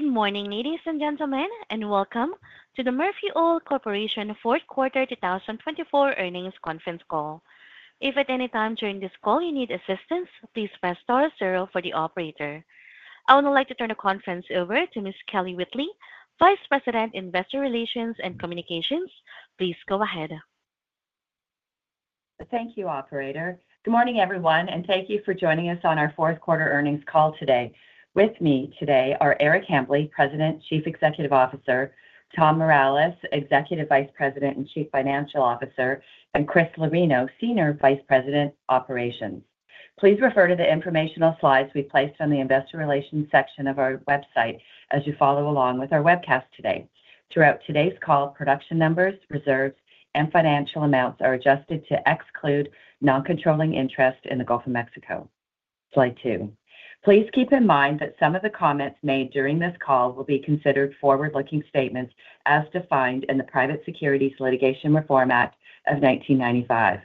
Good morning, ladies and gentlemen, and welcome to the Murphy Oil Corporation Fourth Quarter 2024 earnings conference call. If at any time during this call you need assistance, please press star zero for the operator. I would like to turn the conference over to Ms. Kelly Whitley, Vice President, Investor Relations and Communications. Please go ahead. Thank you, Operator. Good morning, everyone, and thank you for joining us on our Fourth Quarter earnings call today. With me today are Eric Hambly, President, Chief Executive Officer; Tom Mireles, Executive Vice President and Chief Financial Officer; and Chris Lorino, Senior Vice President, Operations. Please refer to the informational slides we've placed on the Investor Relations section of our website as you follow along with our webcast today. Throughout today's call, production numbers, reserves, and financial amounts are adjusted to exclude non-controlling interest in the Gulf of Mexico. Slide two. Please keep in mind that some of the comments made during this call will be considered forward-looking statements as defined in the Private Securities Litigation Reform Act of 1995.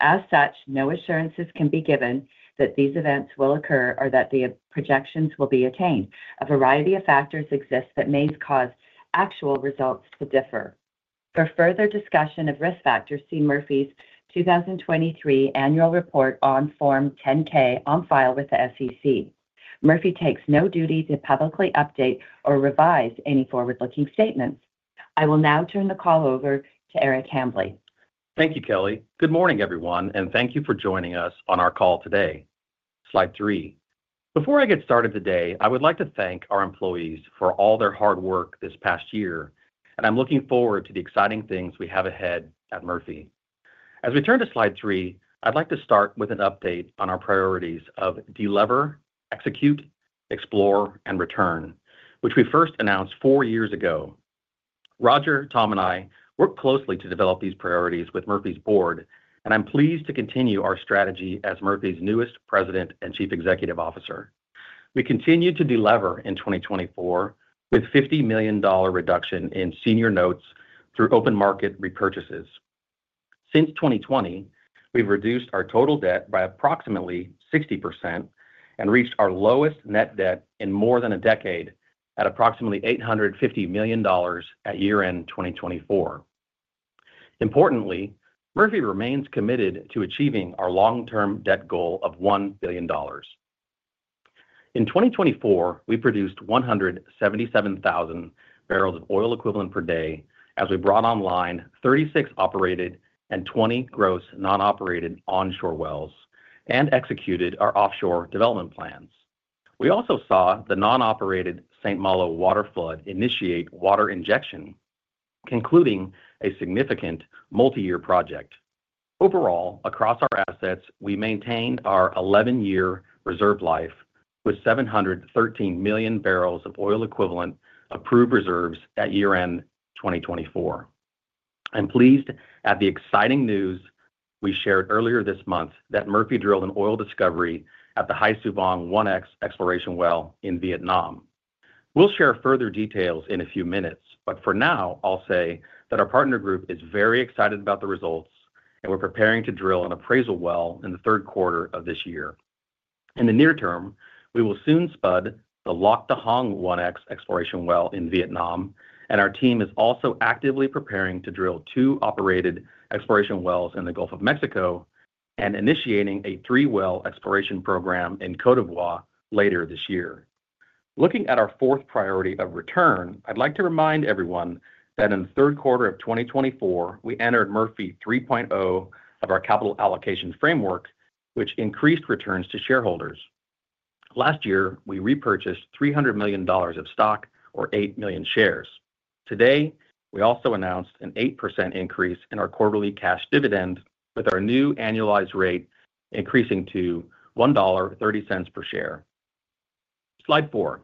As such, no assurances can be given that these events will occur or that the projections will be attained. A variety of factors exist that may cause actual results to differ. For further discussion of risk factors, see Murphy's 2023 Annual Report on Form 10-K on file with the SEC. Murphy takes no duty to publicly update or revise any forward-looking statements. I will now turn the call over to Eric Hambly. Thank you, Kelly. Good morning, everyone, and thank you for joining us on our call today. Slide three. Before I get started today, I would like to thank our employees for all their hard work this past year, and I'm looking forward to the exciting things we have ahead at Murphy. As we turn to slide three, I'd like to start with an update on our priorities of Deliver, Execute, Explore, and Return, which we first announced four years ago. Roger, Tom, and I worked closely to develop these priorities with Murphy's board, and I'm pleased to continue our strategy as Murphy's newest President and Chief Executive Officer. We continued to deliver in 2024 with a $50 million reduction in senior notes through open market repurchases. Since 2020, we've reduced our total debt by approximately 60% and reached our lowest net debt in more than a decade at approximately $850 million at year-end 2024. Importantly, Murphy remains committed to achieving our long-term debt goal of $1 billion. In 2024, we produced 177,000 barrels of oil equivalent per day as we brought online 36 operated and 20 gross non-operated onshore wells and executed our offshore development plans. We also saw the non-operated St. Malo waterflood `initiate water injection, concluding a significant multi-year project. Overall, across our assets, we maintained our 11-year reserve life with 713 million barrels of oil equivalent approved reserves at year-end 2024. I'm pleased at the exciting news we shared earlier this month that Murphy drilled an oil discovery at the Hai Su Vang-1X exploration well in Vietnam. We'll share further details in a few minutes, but for now, I'll say that our partner group is very excited about the results, and we're preparing to drill an appraisal well in the third quarter of this year. In the near term, we will soon spud the Lac Da Hong-1X exploration well in Vietnam, and our team is also actively preparing to drill two operated exploration wells in the Gulf of Mexico and initiating a three-well exploration program in Côte d'Ivoire later this year. Looking at our fourth priority of return, I'd like to remind everyone that in the third quarter of 2024, we entered Murphy 3.0 of our capital allocation framework, which increased returns to shareholders. Last year, we repurchased $300 million of stock or eight million shares. Today, we also announced an 8% increase in our quarterly cash dividend with our new annualized rate increasing to $1.30 per share. Slide four.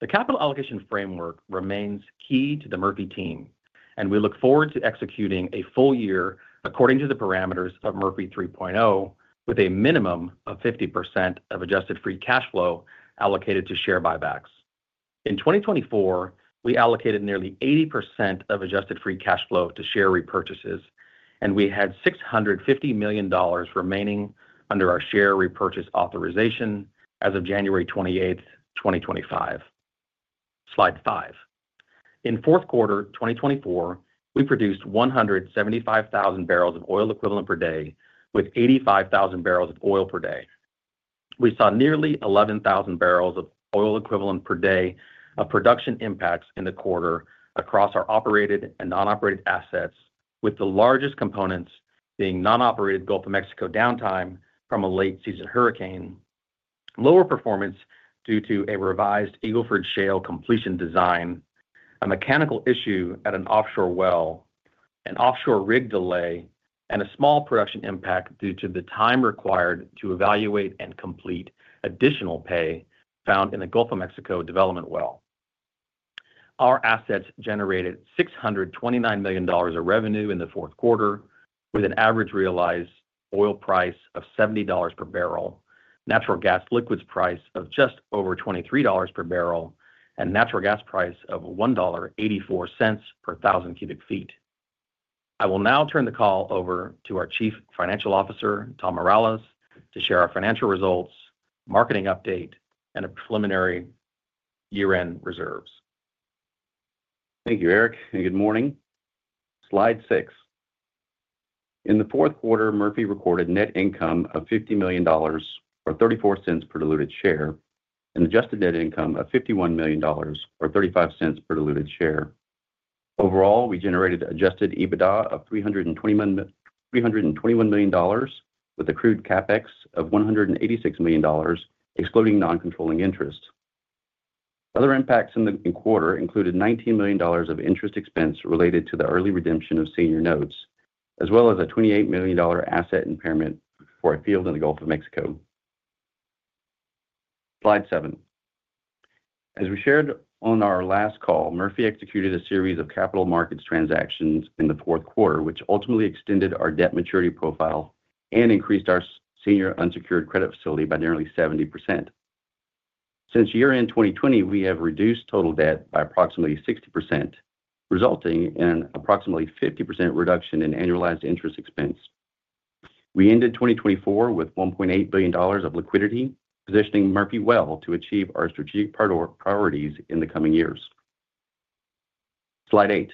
The capital allocation framework remains key to the Murphy team, and we look forward to executing a full year according to the parameters of Murphy 3.0 with a minimum of 50% of adjusted free cash flow allocated to share buybacks. In 2024, we allocated nearly 80% of adjusted free cash flow to share repurchases, and we had $650 million remaining under our share repurchase authorization as of January 28, 2025. Slide five. In fourth quarter 2024, we produced 175,000 barrels of oil equivalent per day with 85,000 barrels of oil per day. We saw nearly 11,000 barrels of oil equivalent per day of production impacts in the quarter across our operated and non-operated assets, with the largest components being non-operated Gulf of Mexico downtime from a late-season hurricane, lower performance due to a revised Eagle Ford Shale completion design, a mechanical issue at an offshore well, an offshore rig delay, and a small production impact due to the time required to evaluate and complete additional pay found in the Gulf of Mexico development well. Our assets generated $629 million of revenue in the fourth quarter with an average realized oil price of $70 per barrel, natural gas liquids price of just over $23 per barrel, and natural gas price of $1.84 per 1,000 cubic feet. I will now turn the call over to our Chief Financial Officer, Tom Mireles, to share our financial results, marketing update, and a preliminary year-end reserves. Thank you, Eric, and good morning. Slide six. In the fourth quarter, Murphy recorded net income of $50 million or $0.34 per diluted share and adjusted net income of $51 million or $0.35 per diluted share. Overall, we generated adjusted EBITDA of $321 million with accrued CapEx of $186 million, excluding non-controlling interest. Other impacts in the quarter included $19 million of interest expense related to the early redemption of senior notes, as well as a $28 million asset impairment for a field in the Gulf of Mexico. Slide seven. As we shared on our last call, Murphy executed a series of capital markets transactions in the fourth quarter, which ultimately extended our debt maturity profile and increased our senior unsecured credit facility by nearly 70%. Since year-end 2020, we have reduced total debt by approximately 60%, resulting in an approximately 50% reduction in annualized interest expense. We ended 2024 with $1.8 billion of liquidity, positioning Murphy well to achieve our strategic priorities in the coming years. Slide eight.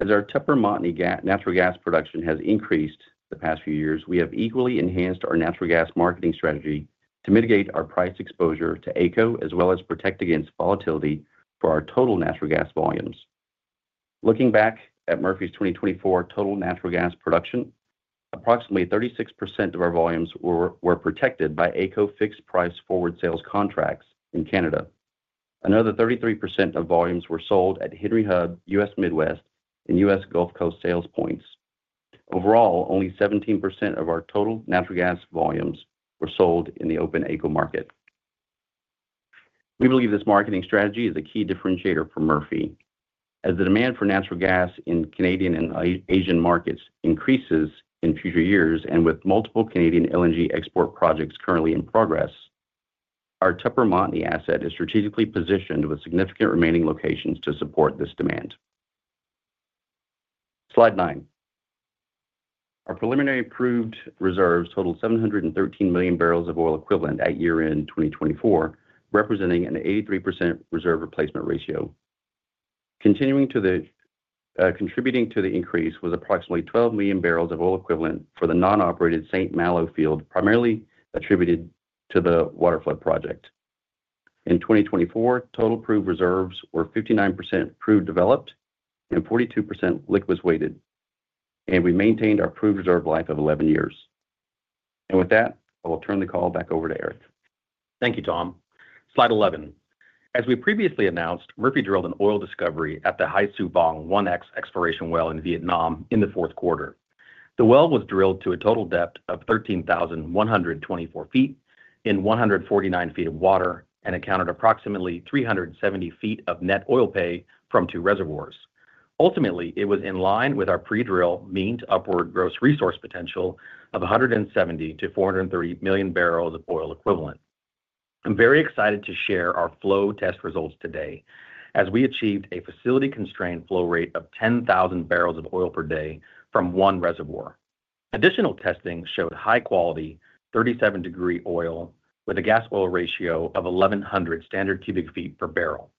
As our Tupper Montney natural gas production has increased the past few years, we have equally enhanced our natural gas marketing strategy to mitigate our price exposure to AECO as well as protect against volatility for our total natural gas volumes. Looking back at Murphy's 2024 total natural gas production, approximately 36% of our volumes were protected by AECO fixed price forward sales contracts in Canada. Another 33% of volumes were sold at Henry Hub, U.S. Midwest, and U.S. Gulf Coast Sales Points. Overall, only 17% of our total natural gas volumes were sold in the open AECO market. We believe this marketing strategy is a key differentiator for Murphy. As the demand for natural gas in Canadian and Asian markets increases in future years and with multiple Canadian LNG export projects currently in progress, our Tupper Montney asset is strategically positioned with significant remaining locations to support this demand. Slide nine. Our preliminary proved reserves totaled 713 million barrels of oil equivalent at year-end 2024, representing an 83% reserve replacement ratio. Contributing to the increase was approximately 12 million barrels of oil equivalent for the non-operated St. Malo field, primarily attributed to the waterflood project. In 2024, total proved reserves were 59% proved developed and 42% liquids weighted, and we maintained our proved reserve life of 11 years, and with that, I will turn the call back over to Eric. Thank you, Tom. Slide 11. As we previously announced, Murphy drilled an oil discovery at the Hai Su Vang-1X exploration well in Vietnam in the fourth quarter. The well was drilled to a total depth of 13,124 feet in 149 feet of water and encountered approximately 370 feet of net oil pay from two reservoirs. Ultimately, it was in line with our pre-drill mean-to-upward gross resource potential of 170 to 430 million barrels of oil equivalent. I'm very excited to share our flow test results today as we achieved a facility-constrained flow rate of 10,000 barrels of oil per day from one reservoir. Additional testing showed high-quality 37-degree oil with a gas oil ratio of 1,100 standard cubic feet per barrel.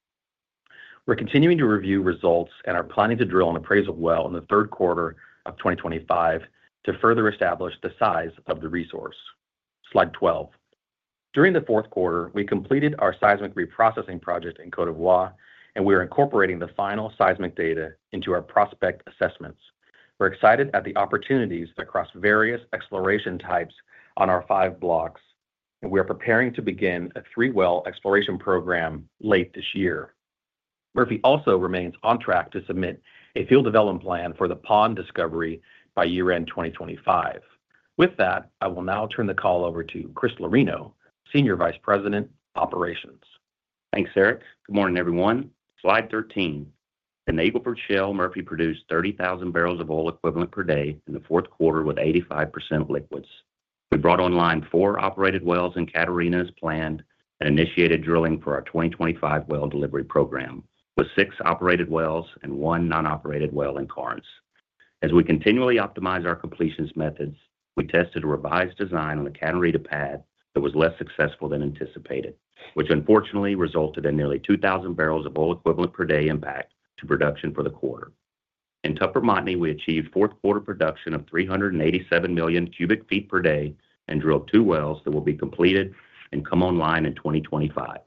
We're continuing to review results and are planning to drill an appraisal well in the third quarter of 2025 to further establish the size of the resource. Slide 12. During the fourth quarter, we completed our seismic reprocessing project in Côte d'Ivoire, and we are incorporating the final seismic data into our prospect assessments. We're excited at the opportunities across various exploration types on our five blocks, and we are preparing to begin a three-well exploration program late this year. Murphy also remains on track to submit a field development plan for the Paon discovery by year-end 2025. With that, I will now turn the call over to Chris Lorino, Senior Vice President, Operations. Thanks, Eric. Good morning, everyone. Slide 13. In the Eagle Ford Shale, Murphy produced 30,000 barrels of oil equivalent per day in the fourth quarter with 85% liquids. We brought online four operated wells in Catarina as planned and initiated drilling for our 2025 well delivery program with six operated wells and one non-operated well in Carnes. As we continually optimize our completions methods, we tested a revised design on the Catarina pad that was less successful than anticipated, which unfortunately resulted in nearly 2,000 barrels of oil equivalent per day impact to production for the quarter. In Tupper Montney, we achieved fourth quarter production of 387 million cubic feet per day and drilled two wells that will be completed and come online in 2025.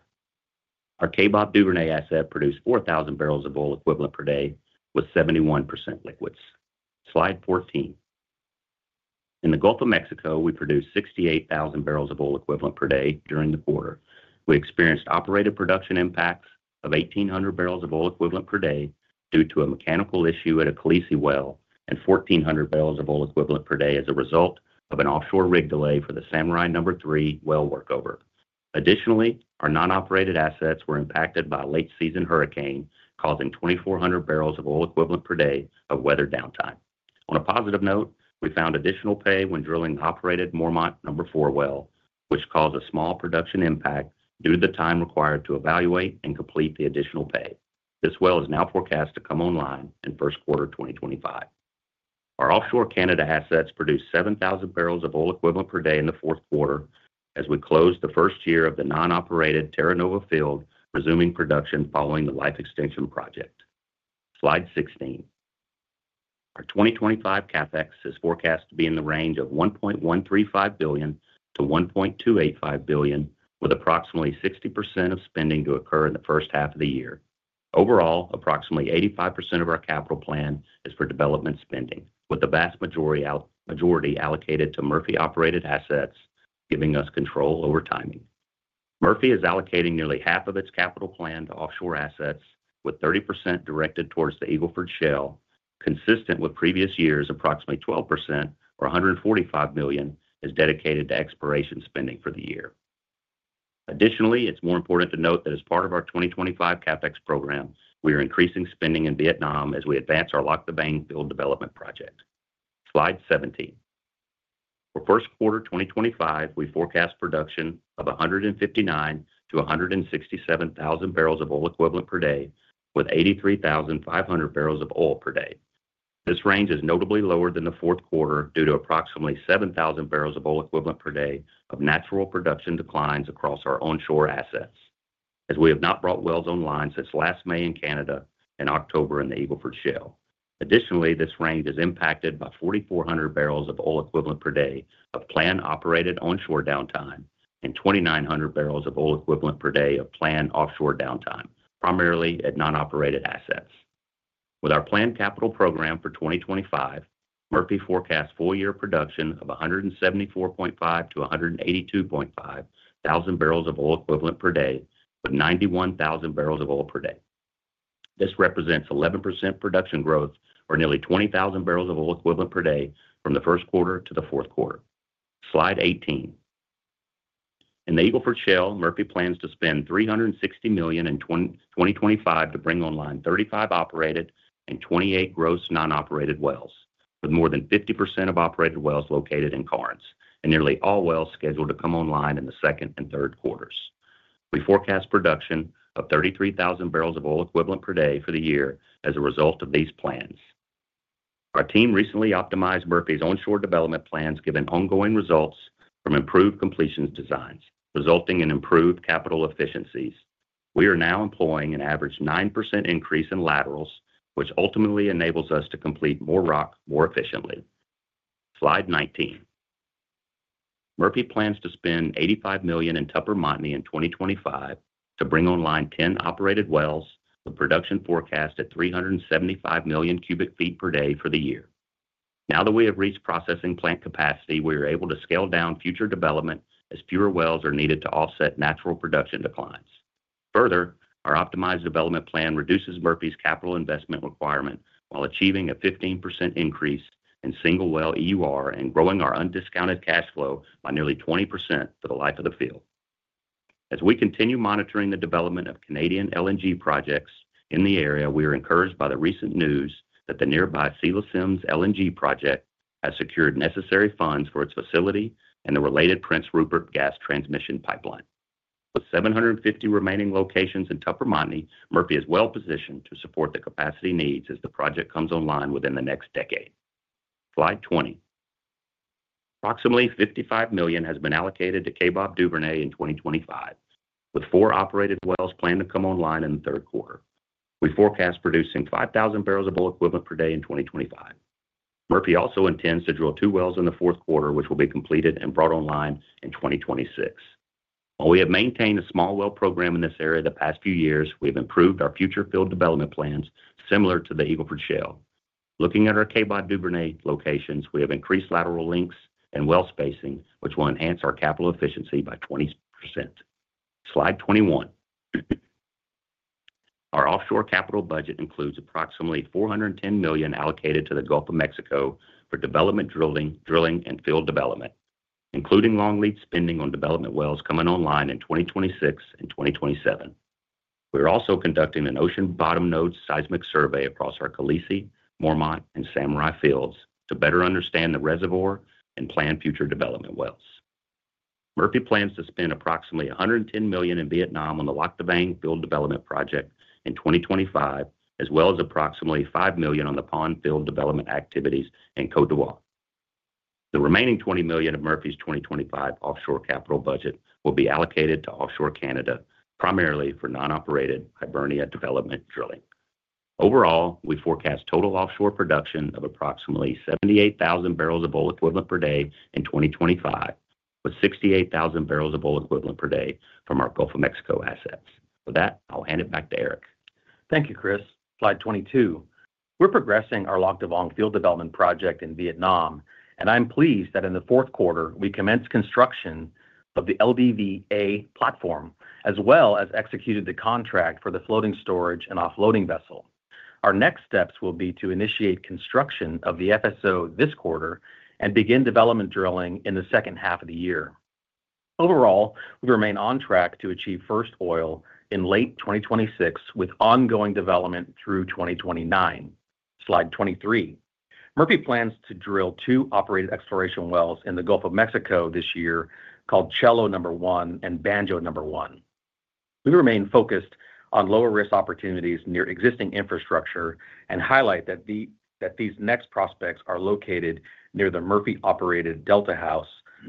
Our Kaybob Duvernay asset produced 4,000 barrels of oil equivalent per day with 71% liquids. Slide 14. In the Gulf of Mexico, we produced 68,000 barrels of oil equivalent per day during the quarter. We experienced operated production impacts of 1,800 barrels of oil equivalent per day due to a mechanical issue at a Khaleesi well and 1,400 barrels of oil equivalent per day as a result of an offshore rig delay for the Samurai Number 3 well workover. Additionally, our non-operated assets were impacted by a late-season hurricane causing 2,400 barrels of oil equivalent per day of weather downtime. On a positive note, we found additional pay when drilling the operated Mormont Number 4 well, which caused a small production impact due to the time required to evaluate and complete the additional pay. This well is now forecast to come online in first quarter 2025. Our offshore Canada assets produced 7,000 barrels of oil equivalent per day in the fourth quarter as we closed the first year of the non-operated Terra Nova field, resuming production following the life extension project. Slide 16. Our 2025 CapEx is forecast to be in the range of $1.135 billion-$1.285 billion, with approximately 60% of spending to occur in the first half of the year. Overall, approximately 85% of our capital plan is for development spending, with the vast majority allocated to Murphy operated assets, giving us control over timing. Murphy is allocating nearly half of its capital plan to offshore assets, with 30% directed towards the Eagle Ford Shale, consistent with previous years, approximately 12% or $145 million is dedicated to exploration spending for the year. Additionally, it's more important to note that as part of our 2025 CapEx program, we are increasing spending in Vietnam as we advance our Lac Da Vang field development project. Slide 17. For first quarter 2025, we forecast production of 159,000 to 167,000 barrels of oil equivalent per day, with 83,500 barrels of oil per day. This range is notably lower than the fourth quarter due to approximately 7,000 barrels of oil equivalent per day of natural production declines across our onshore assets, as we have not brought wells online since last May in Canada and October in the Eagle Ford Shale. Additionally, this range is impacted by 4,400 barrels of oil equivalent per day of planned operated onshore downtime and 2,900 barrels of oil equivalent per day of planned offshore downtime, primarily at non-operated assets. With our planned capital program for 2025, Murphy forecasts full year production of 174.5-182.5 thousand barrels of oil equivalent per day with 91,000 barrels of oil per day. This represents 11% production growth or nearly 20,000 barrels of oil equivalent per day from the first quarter to the fourth quarter. Slide 18. In the Eagle Ford Shale, Murphy plans to spend $360 million in 2025 to bring online 35 operated and 28 gross non-operated wells, with more than 50% of operated wells located in Carnes and nearly all wells scheduled to come online in the second and third quarters. We forecast production of 33,000 barrels of oil equivalent per day for the year as a result of these plans. Our team recently optimized Murphy's onshore development plans, given ongoing results from improved completions designs, resulting in improved capital efficiencies. We are now employing an average 9% increase in laterals, which ultimately enables us to complete more rock more efficiently. Slide 19. Murphy plans to spend $85 million in Tupper Montney in 2025 to bring online 10 operated wells with production forecast at 375 million cubic feet per day for the year. Now that we have reached processing plant capacity, we are able to scale down future development as fewer wells are needed to offset natural production declines. Further, our optimized development plan reduces Murphy's capital investment requirement while achieving a 15% increase in single well EUR and growing our undiscounted cash flow by nearly 20% for the life of the field. As we continue monitoring the development of Canadian LNG projects in the area, we are encouraged by the recent news that the nearby Cedar LNG project has secured necessary funds for its facility and the related Prince Rupert Gas Transmission pipeline. With 750 remaining locations in Tupper Montney, Murphy is well positioned to support the capacity needs as the project comes online within the next decade. Slide 20. Approximately $55 million has been allocated to Kaybob Duvernay in 2025, with four operated wells planned to come online in the third quarter. We forecast producing 5,000 barrels of oil equivalent per day in 2025. Murphy also intends to drill two wells in the fourth quarter, which will be completed and brought online in 2026. While we have maintained a small well program in this area the past few years, we have improved our future field development plans similar to the Eagle Ford Shale. Looking at our Kaybob Duvernay locations, we have increased lateral lengths and well spacing, which will enhance our capital efficiency by 20%. Slide 21. Our offshore capital budget includes approximately $410 million allocated to the Gulf of Mexico for development drilling, drilling, and field development, including long lead spending on development wells coming online in 2026 and 2027. We are also conducting an ocean bottom node seismic survey across our Khaleesi, Mormont, and Samurai fields to better understand the reservoir and plan future development wells. Murphy plans to spend approximately $110 million in Vietnam on the Lac Da Vang field development project in 2025, as well as approximately $5 million on the Paon field development activities in Côte d'Ivoire. The remaining $20 million of Murphy's 2025 offshore capital budget will be allocated to offshore Canada, primarily for non-operated Hibernia development drilling. Overall, we forecast total offshore production of approximately 78,000 barrels of oil equivalent per day in 2025, with 68,000 barrels of oil equivalent per day from our Gulf of Mexico assets. With that, I'll hand it back to Eric. Thank you, Chris. Slide 22. We're progressing our Lac Da Vang field development project in Vietnam, and I'm pleased that in the fourth quarter, we commenced construction of the LDVA platform as well as executed the contract for the floating storage and offloading vessel. Our next steps will be to initiate construction of the FSO this quarter and begin development drilling in the second half of the year. Overall, we remain on track to achieve first oil in late 2026 with ongoing development through 2029. Slide 23. Murphy plans to drill two operated exploration wells in the Gulf of Mexico this year called Cello #1 and Banjo #1. We remain focused on lower risk opportunities near existing infrastructure and highlight that these next prospects are located near the Murphy operated Delta House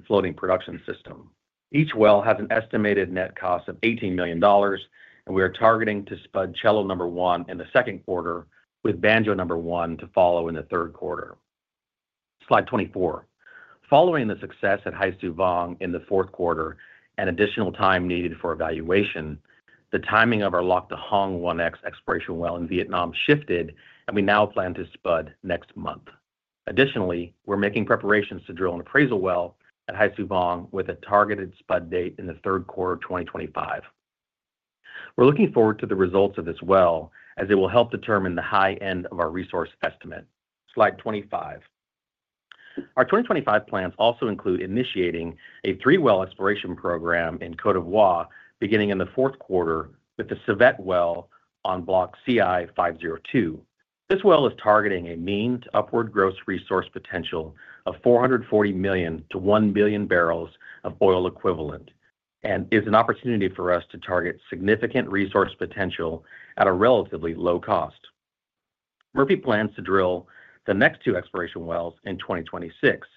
floating production system. Each well has an estimated net cost of $18 million, and we are targeting to spud Cello #1 in the second quarter, with Banjo #1 to follow in the third quarter. Slide 24. Following the success at Hai Su Vang in the fourth quarter and additional time needed for evaluation, the timing of our Lac Da Hang-1X exploration well in Vietnam shifted, and we now plan to spud next month. Additionally, we're making preparations to drill an appraisal well at Hai Su Vang with a targeted spud date in the third quarter of 2025. We're looking forward to the results of this well as it will help determine the high end of our resource estimate. Slide 25. Our 2025 plans also include initiating a three-well exploration program in Côte d'Ivoire beginning in the fourth quarter with the Civette well on Block CI-502. This well is targeting a mean to upward gross resource potential of 440 million to 1 billion barrels of oil equivalent and is an opportunity for us to target significant resource potential at a relatively low cost. Murphy plans to drill the next two exploration wells in 2026.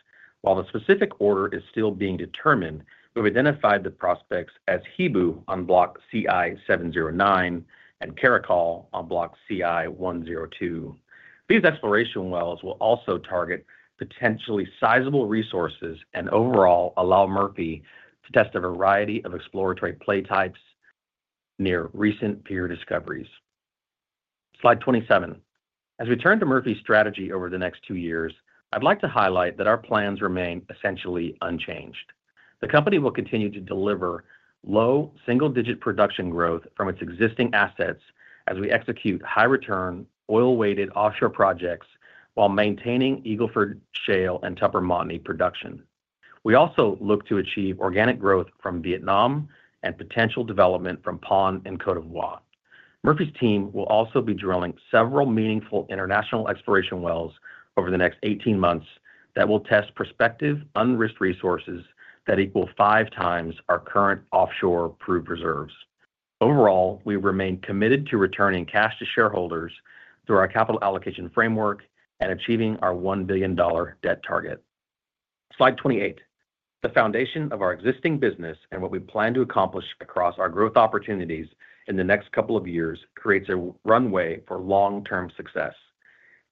While the specific order is still being determined, we've identified the prospects as Hebou on Block CI-709 and Caracal on Block CI-102. These exploration wells will also target potentially sizable resources and overall allow Murphy to test a variety of exploratory play types near recent peer discoveries. Slide 27. As we turn to Murphy's strategy over the next two years, I'd like to highlight that our plans remain essentially unchanged. The company will continue to deliver low single-digit production growth from its existing assets as we execute high-return oil-weighted offshore projects while maintaining Eagle Ford Shale and Tupper Montney production. We also look to achieve organic growth from Vietnam and potential development from Paon and Côte d'Ivoire. Murphy's team will also be drilling several meaningful international exploration wells over the next 18 months that will test prospective unrisked resources that equal five times our current offshore proved reserves. Overall, we remain committed to returning cash to shareholders through our capital allocation framework and achieving our $1 billion debt target. Slide 28. The foundation of our existing business and what we plan to accomplish across our growth opportunities in the next couple of years creates a runway for long-term success.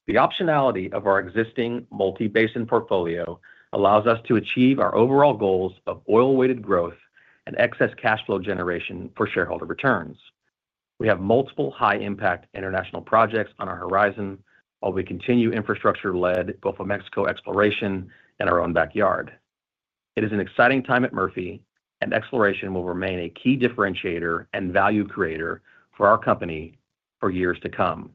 The optionality of our existing multi-basin portfolio allows us to achieve our overall goals of oil-weighted growth and excess cash flow generation for shareholder returns. We have multiple high-impact international projects on our horizon while we continue infrastructure-led Gulf of Mexico exploration in our own backyard. It is an exciting time at Murphy, and exploration will remain a key differentiator and value creator for our company for years to come.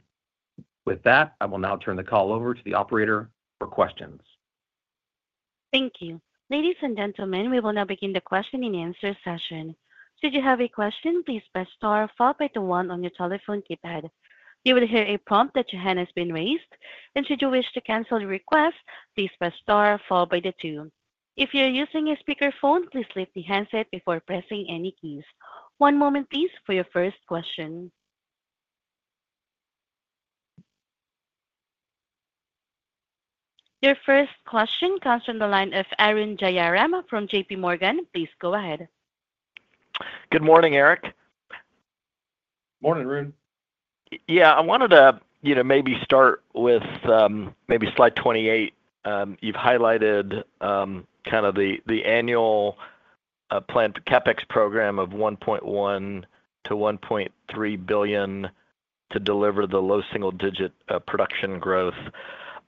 With that, I will now turn the call over to the operator for questions. Thank you. Ladies and gentlemen, we will now begin the question and answer session. Should you have a question, please press star followed by the one on your telephone keypad. You will hear a prompt that your hand has been raised, and should you wish to cancel your request, please press star followed by the two. If you're using a speakerphone, please lift the handset before pressing any keys. One moment, please, for your first question. Your first question comes from the line of Arun Jayaram from JPMorgan. Please go ahead. Good morning, Eric. Morning, Arun. Yeah, I wanted to maybe start with maybe slide 28. You've highlighted kind of the annual planned CapEx program of $1.1-$1.3 billion to deliver the low single-digit production growth.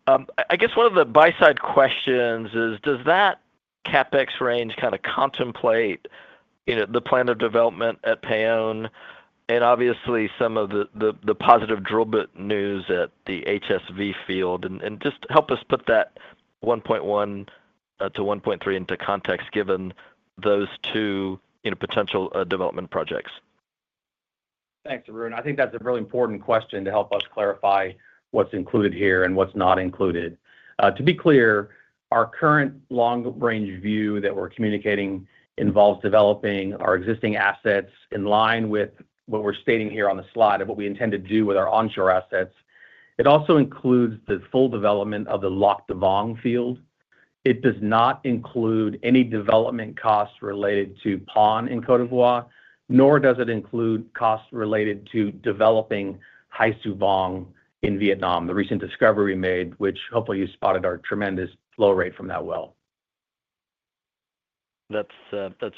I guess one of the buy-side questions is, does that CapEx range kind of contemplate the plan of development at Paon and obviously some of the positive drill bit news at the HSV field? And just help us put that $1.1-$1.3 into context given those two potential development projects. Thanks, Arun. I think that's a really important question to help us clarify what's included here and what's not included. To be clear, our current long-range view that we're communicating involves developing our existing assets in line with what we're stating here on the slide of what we intend to do with our onshore assets. It also includes the full development of the Lac Da Vang field. It does not include any development costs related to Paon in Côte d'Ivoire, nor does it include costs related to developing Hai Su Vang in Vietnam, the recent discovery made, which hopefully you spotted our tremendous flow rate from that well. That's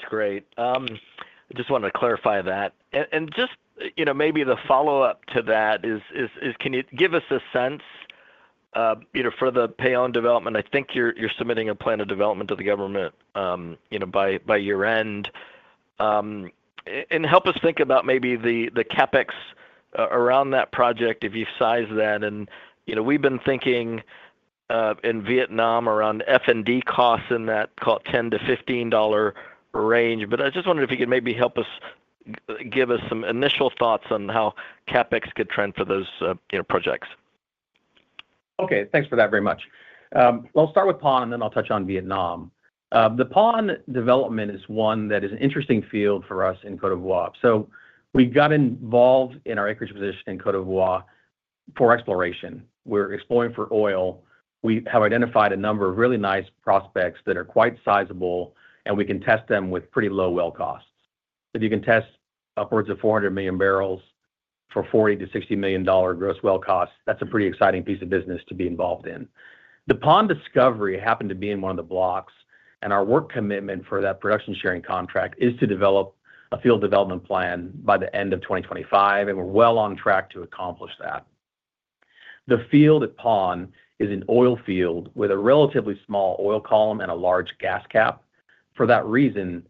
great. I just wanted to clarify that. And just maybe the follow-up to that is, can you give us a sense for the Paon development? I think you're submitting a plan of development to the government by year-end. And help us think about maybe the CapEx around that project if you've sized that. And we've been thinking in Vietnam around F&D costs in that $10-$15 range, but I just wondered if you could maybe help us give us some initial thoughts on how CapEx could trend for those projects. Okay, thanks for that very much. I'll start with Paon, and then I'll touch on Vietnam. The Paon development is one that is an interesting field for us in Côte d'Ivoire. We got involved in our acreage position in Côte d'Ivoire for exploration. We're exploring for oil. We have identified a number of really nice prospects that are quite sizable, and we can test them with pretty low well costs. If you can test upwards of 400 million barrels for $40-60 million gross well costs, that's a pretty exciting piece of business to be involved in. The Paon discovery happened to be in one of the blocks, and our work commitment for that production sharing contract is to develop a field development plan by the end of 2025, and we're well on track to accomplish that. The field at Paon is an oil field with a relatively small oil column and a large gas cap. For that reason,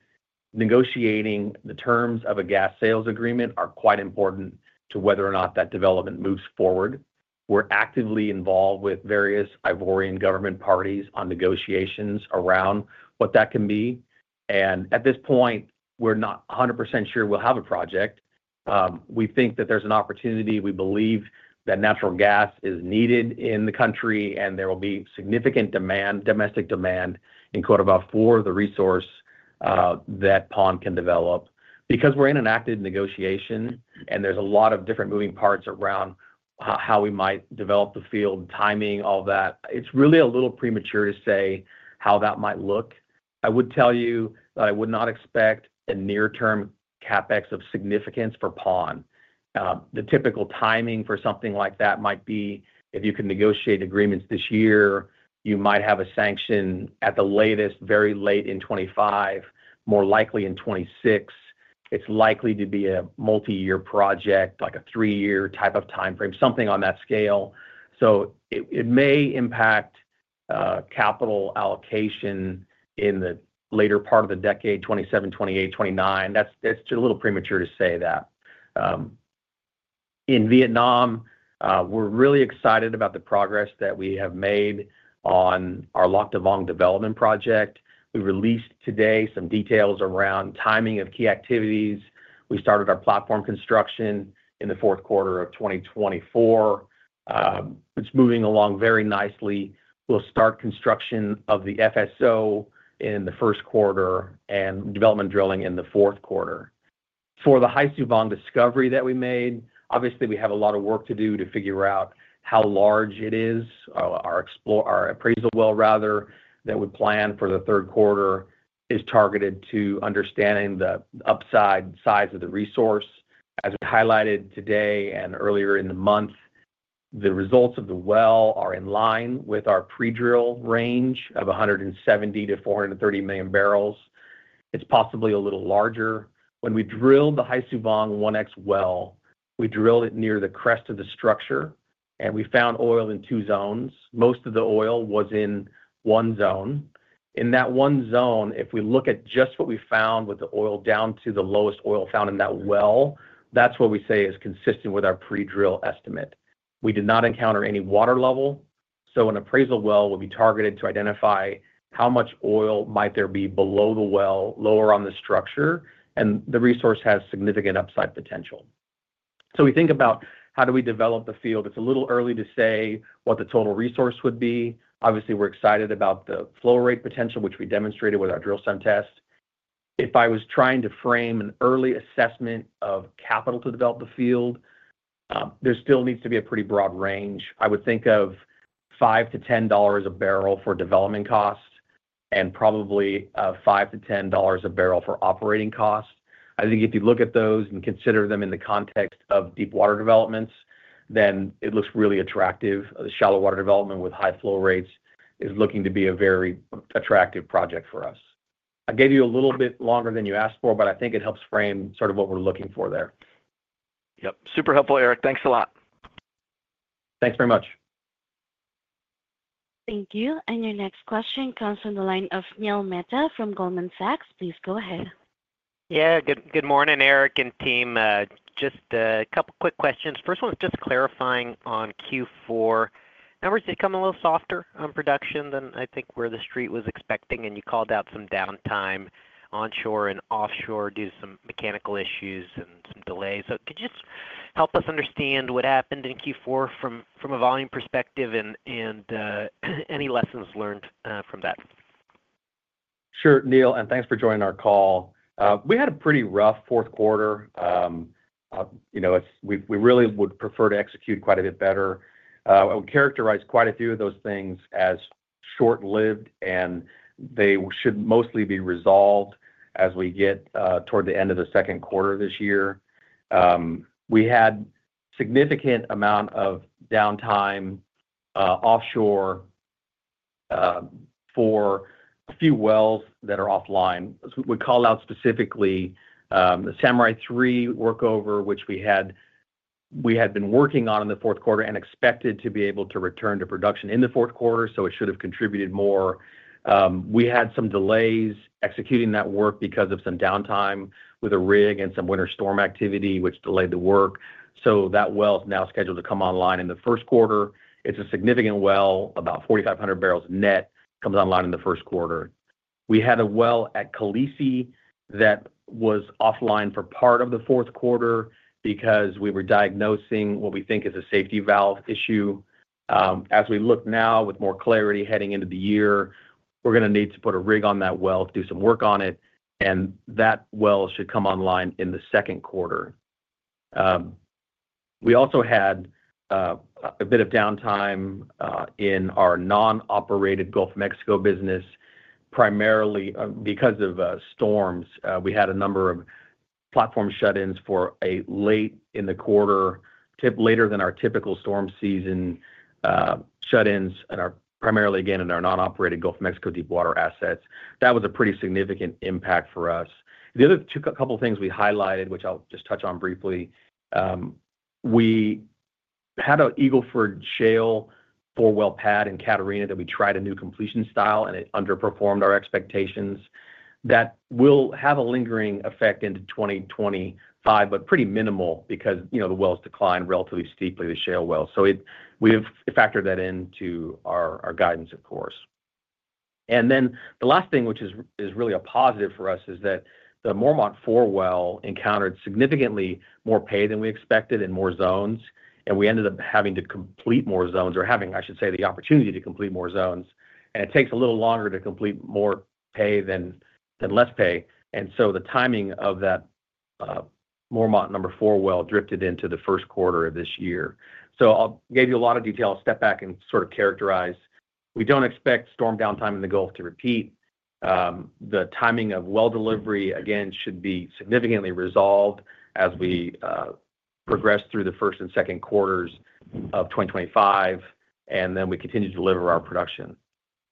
negotiating the terms of a gas sales agreement is quite important to whether or not that development moves forward. We're actively involved with various Ivorian government parties on negotiations around what that can be. At this point, we're not 100% sure we'll have a project. We think that there's an opportunity. We believe that natural gas is needed in the country, and there will be significant domestic demand in Côte d'Ivoire for the resource that Paon can develop. Because we're in an active negotiation, and there's a lot of different moving parts around how we might develop the field, timing, all that, it's really a little premature to say how that might look. I would tell you that I would not expect a near-term CapEx of significance for Paon. The typical timing for something like that might be if you can negotiate agreements this year, you might have a sanction at the latest, very late in 2025, more likely in 2026. It's likely to be a multi-year project, like a three-year type of timeframe, something on that scale. So it may impact capital allocation in the later part of the decade, 2027, 2028, 2029. That's just a little premature to say that. In Vietnam, we're really excited about the progress that we have made on our Lac Da Vang development project. We released today some details around timing of key activities. We started our platform construction in the fourth quarter of 2024. It's moving along very nicely. We'll start construction of the FSO in the first quarter and development drilling in the fourth quarter. For the Hai Su Vang discovery that we made, obviously, we have a lot of work to do to figure out how large it is. Our appraisal well, rather, that we plan for the third quarter is targeted to understanding the upside size of the resource. As we highlighted today and earlier in the month, the results of the well are in line with our pre-drill range of 170-430 million barrels. It's possibly a little larger. When we drilled the Hai Su Vang-1X well, we drilled it near the crest of the structure, and we found oil in two zones. Most of the oil was in one zone. In that one zone, if we look at just what we found with the oil down to the lowest oil found in that well, that's what we say is consistent with our pre-drill estimate. We did not encounter any water level. So an appraisal well will be targeted to identify how much oil might there be below the well, lower on the structure, and the resource has significant upside potential. So we think about how do we develop the field. It's a little early to say what the total resource would be. Obviously, we're excited about the flow rate potential, which we demonstrated with our drill stem test. If I was trying to frame an early assessment of capital to develop the field, there still needs to be a pretty broad range. I would think of $5-$10 a barrel for development cost and probably $5-$10 a barrel for operating cost. I think if you look at those and consider them in the context of deep water developments, then it looks really attractive. The shallow water development with high flow rates is looking to be a very attractive project for us. I gave you a little bit longer than you asked for, but I think it helps frame sort of what we're looking for there. Yep. Super helpful, Eric. Thanks a lot. Thanks very much. Thank you. And your next question comes from the line of Neil Mehta from Goldman Sachs. Please go ahead. Yeah. Good morning, Eric and team. Just a couple of quick questions. First one is just clarifying on Q4. Numbers did come a little softer on production than I think where the street was expecting, and you called out some downtime onshore and offshore due to some mechanical issues and some delays. So could you just help us understand what happened in Q4 from a volume perspective and any lessons learned from that? Sure, Neil, and thanks for joining our call. We had a pretty rough fourth quarter. We really would prefer to execute quite a bit better. I would characterize quite a few of those things as short-lived, and they should mostly be resolved as we get toward the end of the second quarter this year. We had a significant amount of downtime offshore for a few wells that are offline. We call out specifically the Samurai #3 workover, which we had been working on in the fourth quarter and expected to be able to return to production in the fourth quarter, so it should have contributed more. We had some delays executing that work because of some downtime with a rig and some winter storm activity, which delayed the work. So that well is now scheduled to come online in the first quarter. It's a significant well, about 4,500 barrels net, comes online in the first quarter. We had a well at Khaleesi that was offline for part of the fourth quarter because we were diagnosing what we think is a safety valve issue. As we look now with more clarity heading into the year, we're going to need to put a rig on that well to do some work on it, and that well should come online in the second quarter. We also had a bit of downtime in our non-operated Gulf of Mexico business. Primarily because of storms, we had a number of platform shut-ins late in the quarter, later than our typical storm season shut-ins, primarily again in our non-operated Gulf of Mexico deepwater assets. That was a pretty significant impact for us. The other couple of things we highlighted, which I'll just touch on briefly, we had an Eagle Ford Shale four-well pad in Catarina that we tried a new completion style, and it underperformed our expectations. That will have a lingering effect into 2025, but pretty minimal because the wells declined relatively steeply, the shale wells, so we have factored that into our guidance, of course, and then the last thing, which is really a positive for us, is that the Mormont four well encountered significantly more pay than we expected in more zones, and we ended up having to complete more zones or having, I should say, the opportunity to complete more zones, and it takes a little longer to complete more pay than less pay, and so the timing of that Mormont number four well drifted into the first quarter of this year. I'll give you a lot of detail. I'll step back and sort of characterize. We don't expect storm downtime in the Gulf to repeat. The timing of well delivery, again, should be significantly resolved as we progress through the first and second quarters of 2025, and then we continue to deliver our production.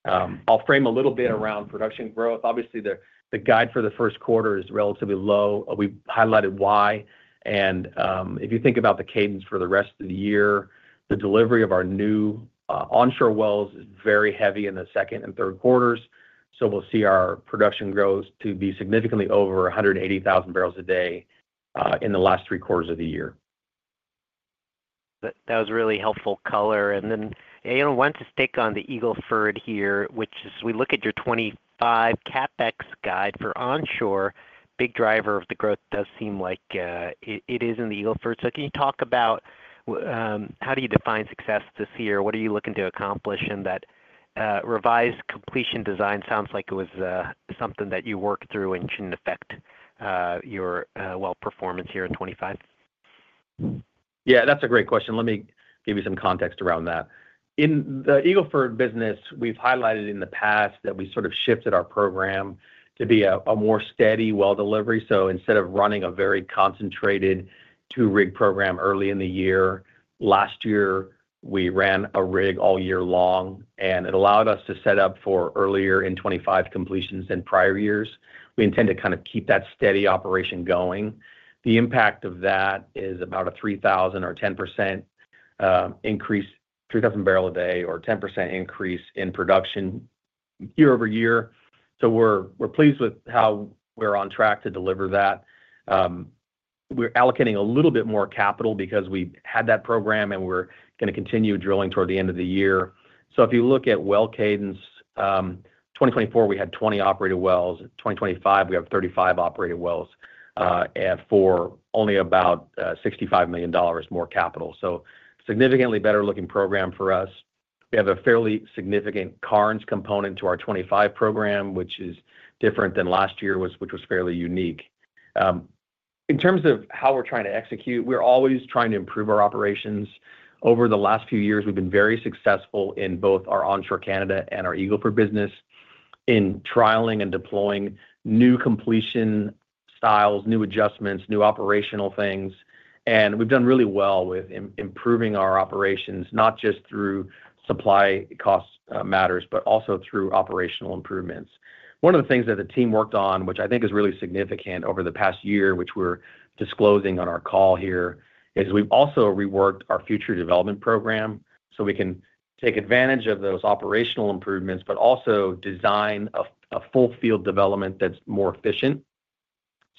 I'll frame a little bit around production growth. Obviously, the guide for the first quarter is relatively low. We highlighted why. If you think about the cadence for the rest of the year, the delivery of our new onshore wells is very heavy in the second and third quarters. We'll see our production grows to be significantly over 180,000 barrels a day in the last three quarters of the year. That was really helpful color. Then I want to stick on the Eagle Ford here, which is we look at your 2025 CapEx guide for onshore. Big driver of the growth does seem like it is in the Eagle Ford. Can you talk about how do you define success this year? What are you looking to accomplish in that revised completion design? Sounds like it was something that you worked through and shouldn't affect your well performance here in 2025. Yeah, that's a great question. Let me give you some context around that. In the Eagle Ford business, we've highlighted in the past that we sort of shifted our program to be a more steady well delivery. So instead of running a very concentrated two-rig program early in the year, last year we ran a rig all year long, and it allowed us to set up for earlier in 2025 completions than prior years. We intend to kind of keep that steady operation going. The impact of that is about a 3,000 or 10% increase, 3,000 barrels a day or 10% increase in production year over year. So we're pleased with how we're on track to deliver that. We're allocating a little bit more capital because we had that program, and we're going to continue drilling toward the end of the year. So if you look at well cadence, 2024, we had 20 operated wells. In 2025, we have 35 operated wells for only about $65 million more capital. So significantly better looking program for us. We have a fairly significant Carnes component to our '25 program, which is different than last year, which was fairly unique. In terms of how we're trying to execute, we're always trying to improve our operations. Over the last few years, we've been very successful in both our onshore Canada and our Eagle Ford business in trialing and deploying new completion styles, new adjustments, new operational things. And we've done really well with improving our operations, not just through supply cost matters, but also through operational improvements. One of the things that the team worked on, which I think is really significant over the past year, which we're disclosing on our call here, is we've also reworked our future development program so we can take advantage of those operational improvements, but also design a full field development that's more efficient.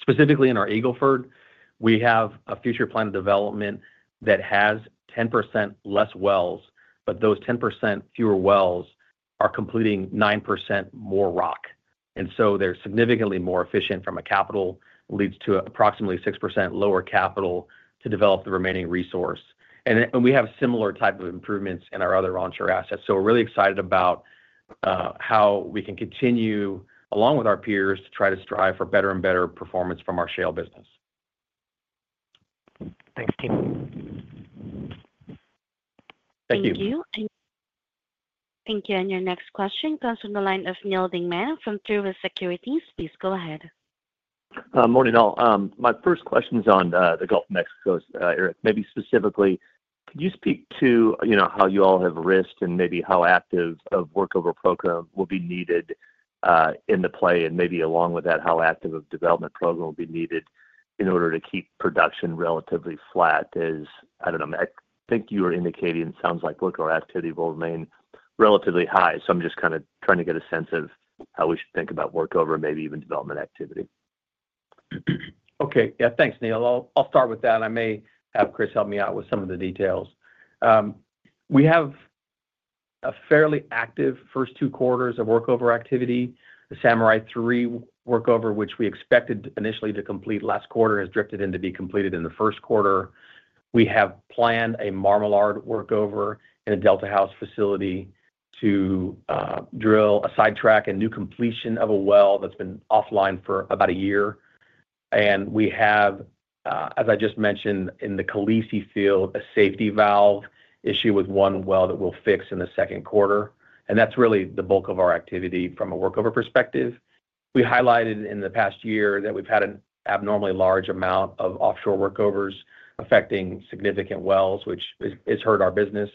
Specifically in our Eagle Ford, we have a future plan of development that has 10% less wells, but those 10% fewer wells are completing 9% more rock. And so they're significantly more efficient from a capital leads to approximately 6% lower capital to develop the remaining resource. We have similar type of improvements in our other onshore assets. We're really excited about how we can continue along with our peers to try to strive for better and better performance from our shale business. Thanks, team. Thank you. Thank you. And your next question comes from the line of Neal Dingman from Truist Securities. Please go ahead. Morning, all. My first question is on the Gulf of Mexico area. Maybe specifically, could you speak to how you all have risked and maybe how active of workover program will be needed in the play? And maybe along with that, how active of development program will be needed in order to keep production relatively flat? I don't know. I think you were indicating it sounds like workover activity will remain relatively high. So I'm just kind of trying to get a sense of how we should think about workover, maybe even development activity. Okay. Yeah. Thanks, Neal. I'll start with that. I may have Chris help me out with some of the details. We have a fairly active first two quarters of workover activity. The Samurai #3 workover, which we expected initially to complete last quarter, has drifted into being completed in the first quarter. We have planned a Marmalard workover in a Delta House facility to drill a sidetrack and new completion of a well that's been offline for about a year. And we have, as I just mentioned, in the Khaleesi field, a safety valve issue with one well that we'll fix in the second quarter. And that's really the bulk of our activity from a workover perspective. We highlighted in the past year that we've had an abnormally large amount of offshore workovers affecting significant wells, which has hurt our business.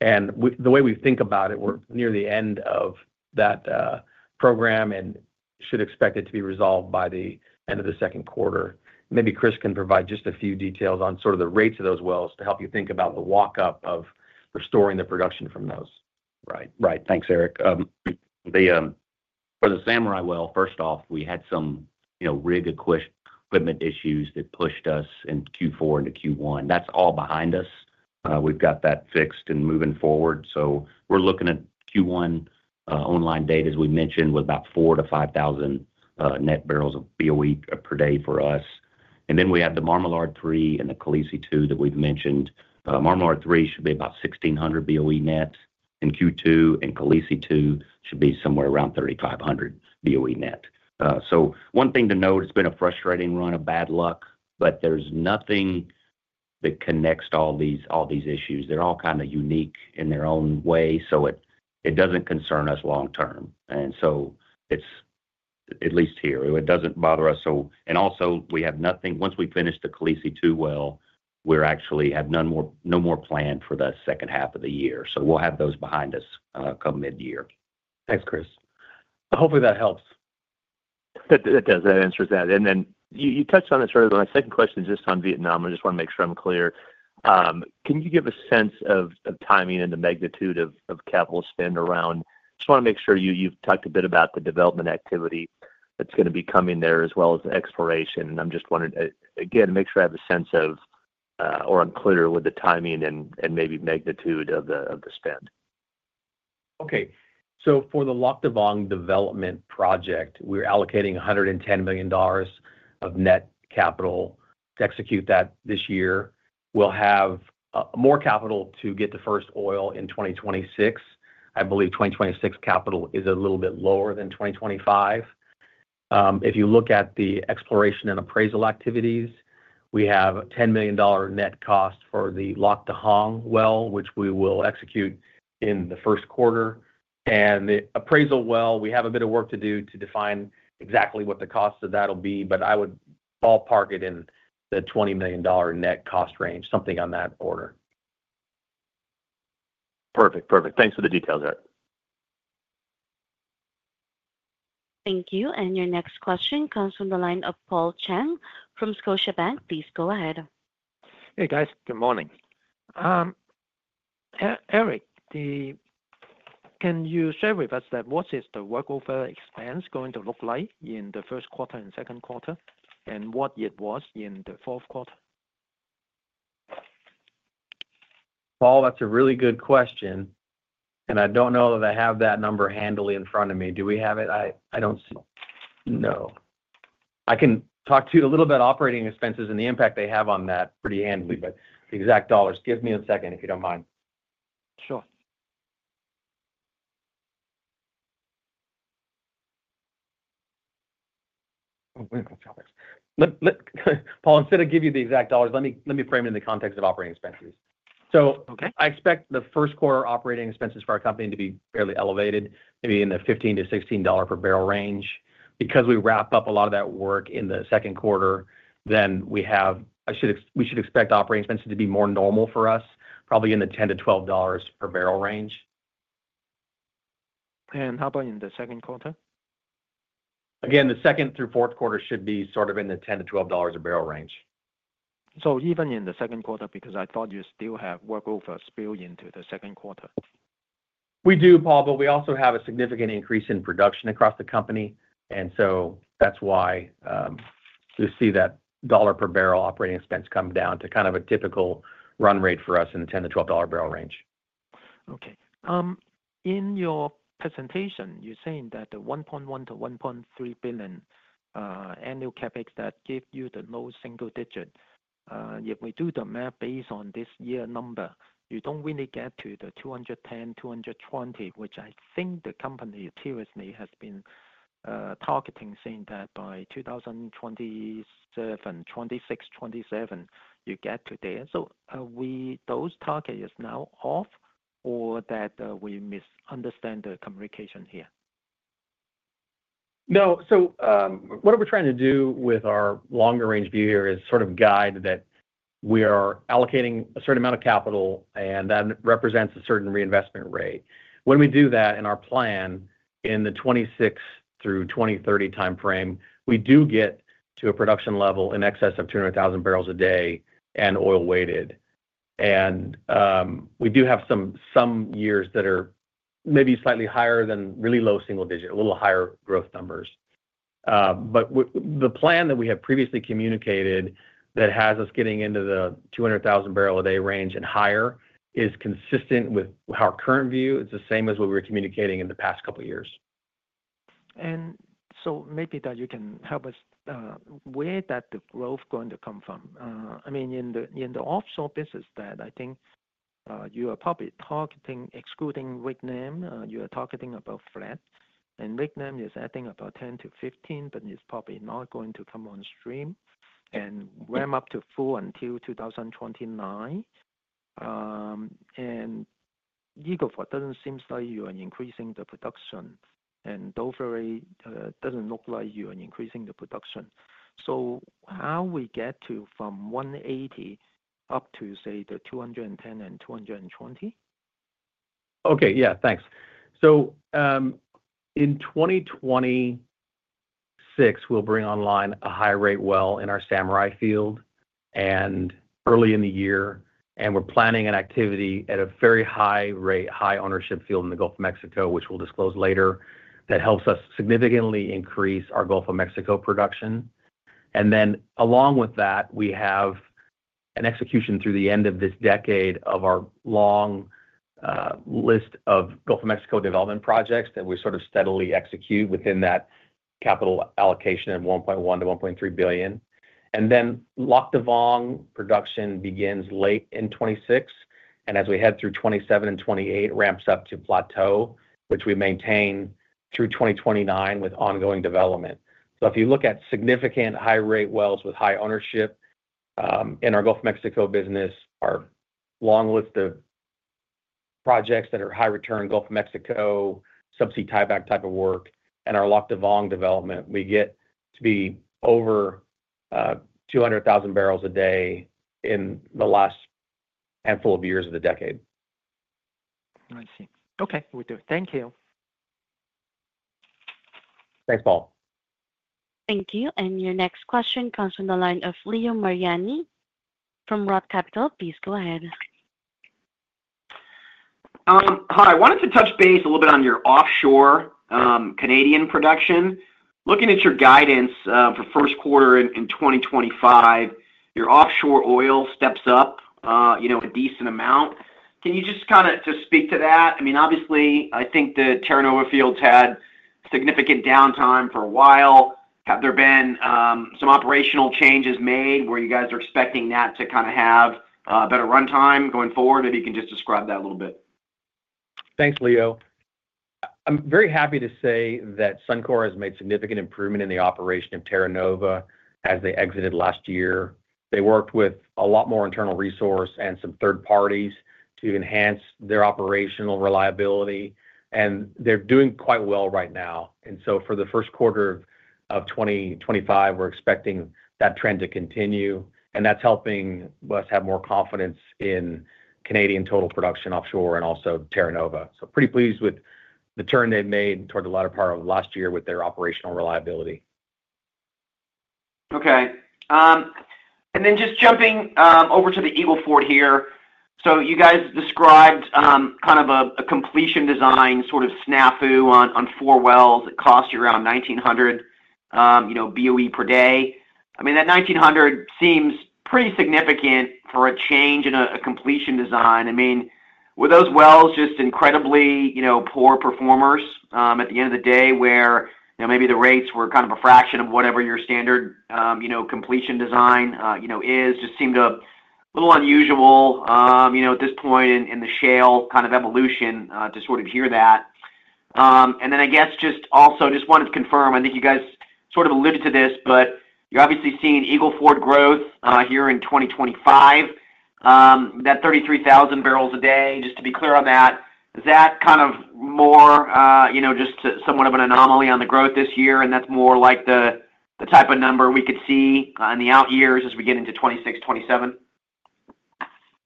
And the way we think about it, we're near the end of that program and should expect it to be resolved by the end of the second quarter. Maybe Chris can provide just a few details on sort of the rates of those wells to help you think about the walk-up of restoring the production from those. Right. Right. Thanks, Eric. For the Samurai well, first off, we had some rig equipment issues that pushed us in Q4 into Q1. That's all behind us. We've got that fixed and moving forward, so we're looking at Q1 online date, as we mentioned, with about 4,000-5,000 net barrels of BOE per day for us, and then we have the Marmalard #3 and the Khaleesi #2 that we've mentioned. Marmalard #3 should be about 1,600 BOE net, and Q2 and Khaleesi #2 should be somewhere around 3,500 BOE net. So one thing to note, it's been a frustrating run of bad luck, but there's nothing that connects all these issues. They're all kind of unique in their own way, so it doesn't concern us long-term, and so at least here, it doesn't bother us. Also, we have nothing once we finish the Khaleesi #2 well. We actually have no more plan for the second half of the year. We'll have those behind us come mid-year. Thanks, Chris. Hopefully, that helps. That does. That answers that. And then you touched on it. Sort of, my second question is just on Vietnam. I just want to make sure I'm clear. Can you give a sense of timing and the magnitude of capital spend around? I just want to make sure you've talked a bit about the development activity that's going to be coming there as well as the exploration. And I'm just wanting to, again, make sure I have a sense of or I'm clear with the timing and maybe magnitude of the spend. Okay. So for the Lac Da Vang development project, we're allocating $110 million of net capital to execute that this year. We'll have more capital to get the first oil in 2026. I believe 2026 capital is a little bit lower than 2025. If you look at the exploration and appraisal activities, we have a $10 million net cost for the Lac Da Vang well, which we will execute in the first quarter. And the appraisal well, we have a bit of work to do to define exactly what the cost of that will be, but I would ballpark it in the $20 million net cost range, something on that order. Perfect. Perfect. Thanks for the details, Eric. Thank you. And your next question comes from the line of Paul Cheng from Scotiabank. Please go ahead. Hey, guys. Good morning. Eric, can you share with us what is the workover expense going to look like in the first quarter and second quarter, and what it was in the fourth quarter? Paul, that's a really good question. And I don't know that I have that number handily in front of me. Do we have it? I don't see no. I can talk to you a little bit about operating expenses and the impact they have on that pretty handily, but the exact dollars. Give me a second if you don't mind. Sure. Paul, instead of giving you the exact dollars, let me frame it in the context of operating expenses. So I expect the first quarter operating expenses for our company to be fairly elevated, maybe in the $15-$16 per barrel range. Because we wrap up a lot of that work in the second quarter, then we should expect operating expenses to be more normal for us, probably in the $10-$12 per barrel range. How about in the second quarter? Again, the second through fourth quarter should be sort of in the $10-$12 a barrel range. So even in the second quarter, because I thought you still have workover spilled into the second quarter. We do, Paul, but we also have a significant increase in production across the company, and so that's why you see that dollar per barrel operating expense come down to kind of a typical run rate for us in the $10-$12 barrel range. Okay. In your presentation, you're saying that the $1.1-$1.3 billion annual CapEx that gave you the low single digit, if we do the math based on this year number, you don't really get to the 210, 220, which I think the company seriously has been targeting, saying that by 2026, 2027, you get to there. So are those targets now off, or did we misunderstand the communication here? No. So what we're trying to do with our longer range view here is sort of guide that we are allocating a certain amount of capital, and that represents a certain reinvestment rate. When we do that in our plan in the 2026 through 2030 timeframe, we do get to a production level in excess of 200,000 barrels a day and oil weighted. And we do have some years that are maybe slightly higher than really low single digit, a little higher growth numbers. But the plan that we have previously communicated that has us getting into the 200,000 barrel a day range and higher is consistent with our current view. It's the same as what we were communicating in the past couple of years. And so maybe that you can help us where that growth is going to come from. I mean, in the offshore business, I think you are probably targeting excluding Vietnam. You are targeting about flat. And Vietnam is adding about 10-15, but it's probably not going to come on stream and ramp up to full until 2029. And Eagle Ford doesn't seem like you are increasing the production. And Duvernay doesn't look like you are increasing the production. So how we get from 180 up to, say, the 210 and 220? Okay. Yeah. Thanks. So in 2026, we'll bring online a high-rate well in our Samurai field early in the year. And we're planning an activity at a very high-rate, high-ownership field in the Gulf of Mexico, which we'll disclose later, that helps us significantly increase our Gulf of Mexico production. And then along with that, we have an execution through the end of this decade of our long list of Gulf of Mexico development projects that we sort of steadily execute within that capital allocation of $1.1-$1.3 billion. And then Lac Da Vang production begins late in 2026. And as we head through 2027 and 2028, it ramps up to plateau, which we maintain through 2029 with ongoing development. So if you look at significant high-rate wells with high ownership in our Gulf of Mexico business, our long list of projects that are high-return Gulf of Mexico subsea tieback type of work, and our Lac Da Vang development, we get to be over 200,000 barrels a day in the last handful of years of the decade. I see. Okay. We do. Thank you. Thanks, Paul. Thank you. And your next question comes from the line of Leo Mariani from Roth Capital. Please go ahead. Hi. I wanted to touch base a little bit on your offshore Canadian production. Looking at your guidance for first quarter in 2025, your offshore oil steps up a decent amount. Can you just kind of speak to that? I mean, obviously, I think the Terra Nova fields had significant downtime for a while. Have there been some operational changes made where you guys are expecting that to kind of have a better runtime going forward? Maybe you can just describe that a little bit. Thanks, Leo. I'm very happy to say that Suncor has made significant improvement in the operation of Terra Nova as they exited last year. They worked with a lot more internal resource and some third parties to enhance their operational reliability, and they're doing quite well right now. So for the first quarter of 2025, we're expecting that trend to continue, and that's helping us have more confidence in Canadian total production offshore and also Terra Nova. We're pretty pleased with the turn they've made toward the latter part of last year with their operational reliability. Okay. And then just jumping over to the Eagle Ford here. So you guys described kind of a completion design sort of snafu on four wells that cost you around 1,900 BOE per day. I mean, that 1,900 seems pretty significant for a change in a completion design. I mean, were those wells just incredibly poor performers at the end of the day where maybe the rates were kind of a fraction of whatever your standard completion design is? Just seemed a little unusual at this point in the shale kind of evolution to sort of hear that. And then I guess just also wanted to confirm. I think you guys sort of alluded to this, but you're obviously seeing Eagle Ford growth here in 2025, that 33,000 barrels a day. Just to be clear on that, is that kind of more just somewhat of an anomaly on the growth this year? And that's more like the type of number we could see in the out years as we get into 2026, 2027?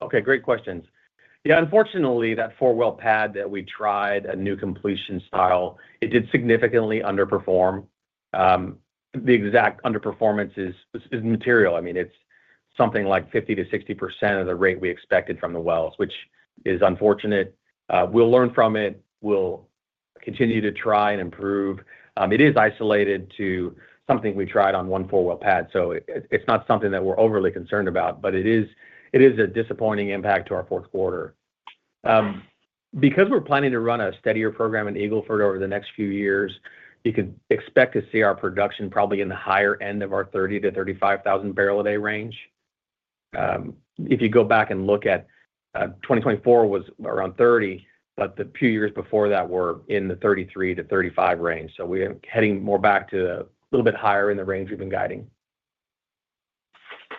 Okay. Great questions. Yeah. Unfortunately, that four-well pad that we tried, a new completion style, it did significantly underperform. The exact underperformance is material. I mean, it's something like 50%-60% of the rate we expected from the wells, which is unfortunate. We'll learn from it. We'll continue to try and improve. It is isolated to something we tried on one four-well pad. So it's not something that we're overly concerned about, but it is a disappointing impact to our fourth quarter. Because we're planning to run a steadier program in Eagle Ford over the next few years, you can expect to see our production probably in the higher end of our 30,000- to 35,000-barrel-a-day range. If you go back and look at 2024 was around 30, but the few years before that were in the 33- to 35,000 range. So we're heading more back to a little bit higher in the range we've been guiding.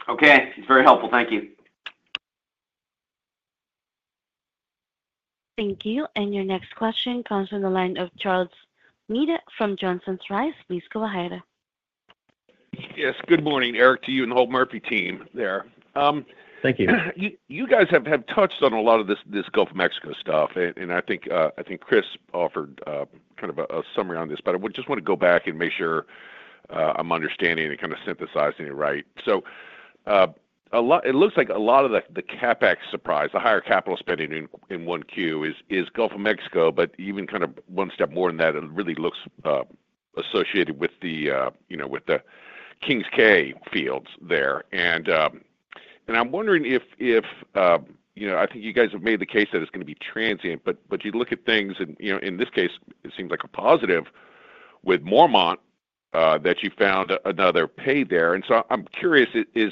Okay. It's very helpful. Thank you. Thank you. And your next question comes from the line of Charles Meade from Johnson Rice. Please go ahead. Yes. Good morning, Eric, to you and the whole Murphy team there. Thank you. You guys have touched on a lot of this Gulf of Mexico stuff, and I think Chris offered kind of a summary on this, but I just want to go back and make sure I'm understanding and kind of synthesizing it right, so it looks like a lot of the CapEx surprise, the higher capital spending in 1Q is Gulf of Mexico, but even kind of one step more than that, it really looks associated with the King's Quay fields there, and I'm wondering if I think you guys have made the case that it's going to be transient, but you look at things, and in this case, it seems like a positive with Mormont that you found another pay there. And so, I'm curious. Is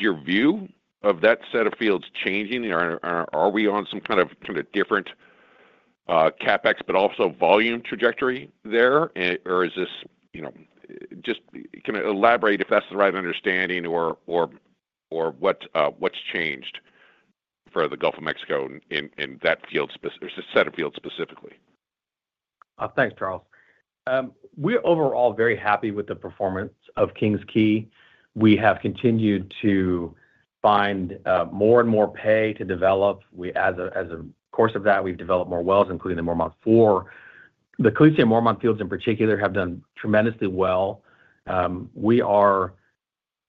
your view of that set of fields changing, or are we on some kind of different CapEx, but also volume trajectory there, or is this just can I elaborate if that's the right understanding or what's changed for the Gulf of Mexico in that field or set of fields specifically? Thanks, Charles. We're overall very happy with the performance of King's Quay. We have continued to find more and more pay to develop. As a result of that, we've developed more wells, including the Mormont #4. The Khaleesi Mormont fields in particular have done tremendously well. We are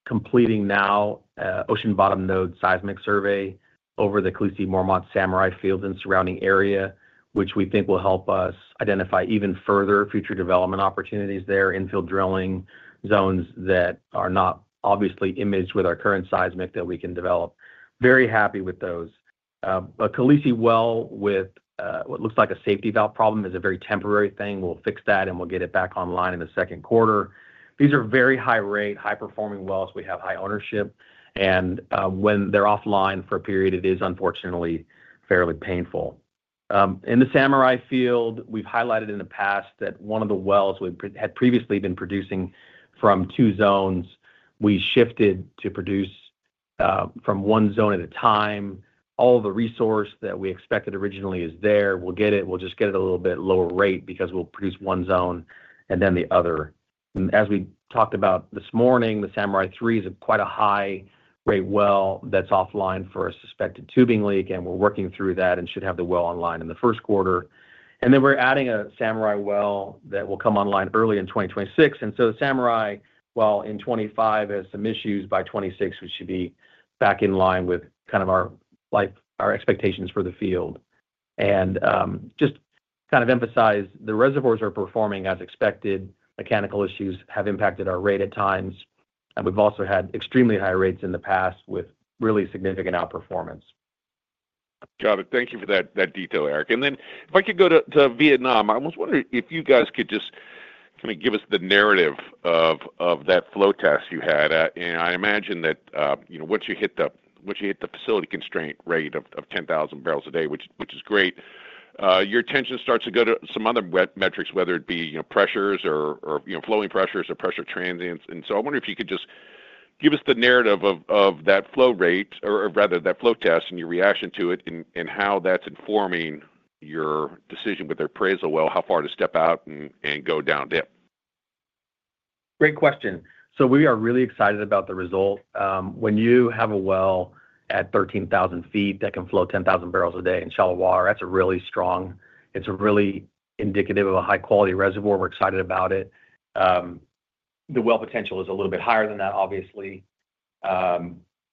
completing now ocean bottom node seismic survey over the Khaleesi Mormont Samurai fields and surrounding area, which we think will help us identify even further future development opportunities there, infield drilling zones that are not obviously imaged with our current seismic that we can develop. Very happy with those. A Khaleesi well with what looks like a safety valve problem is a very temporary thing. We'll fix that, and we'll get it back online in the second quarter. These are very high-rate, high-performing wells. We have high ownership. And when they're offline for a period, it is unfortunately fairly painful. In the Samurai field, we've highlighted in the past that one of the wells we had previously been producing from two zones. We shifted to produce from one zone at a time. All the resource that we expected originally is there. We'll get it. We'll just get it a little bit lower rate because we'll produce one zone and then the other. As we talked about this morning, the Samurai #3 is quite a high-rate well that's offline for a suspected tubing leak, and we're working through that and should have the well online in the first quarter. And then we're adding a Samurai well that will come online early in 2026. And so the Samurai well in 2025 has some issues by 2026, which should be back in line with kind of our expectations for the field. And just kind of emphasize, the reservoirs are performing as expected. Mechanical issues have impacted our rate at times, and we've also had extremely high rates in the past with really significant outperformance. Got it. Thank you for that detail, Eric. And then if I could go to Vietnam, I was wondering if you guys could just kind of give us the narrative of that flow test you had. And I imagine that once you hit the facility constraint rate of 10,000 barrels a day, which is great, your attention starts to go to some other metrics, whether it be pressures or flowing pressures or pressure transients. And so I wonder if you could just give us the narrative of that flow rate or rather that flow test and your reaction to it and how that's informing your decision with the appraisal well, how far to step out and go down dip. Great question. So we are really excited about the result. When you have a well at 13,000 feet that can flow 10,000 barrels a day in shallow water, that's really strong. It's really indicative of a high-quality reservoir. We're excited about it. The well potential is a little bit higher than that, obviously.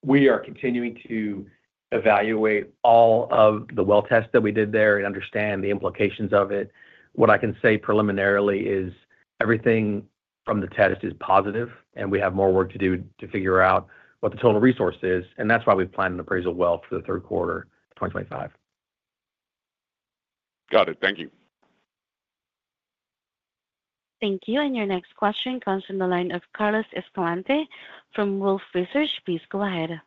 We are continuing to evaluate all of the well tests that we did there and understand the implications of it. What I can say preliminarily is everything from the test is positive, and we have more work to do to figure out what the total resource is, and that's why we've planned an appraisal well for the third quarter of 2025. Got it. Thank you. Thank you. And your next question comes from the line of Carlos Escalante from Wolfe Research. Please go ahead.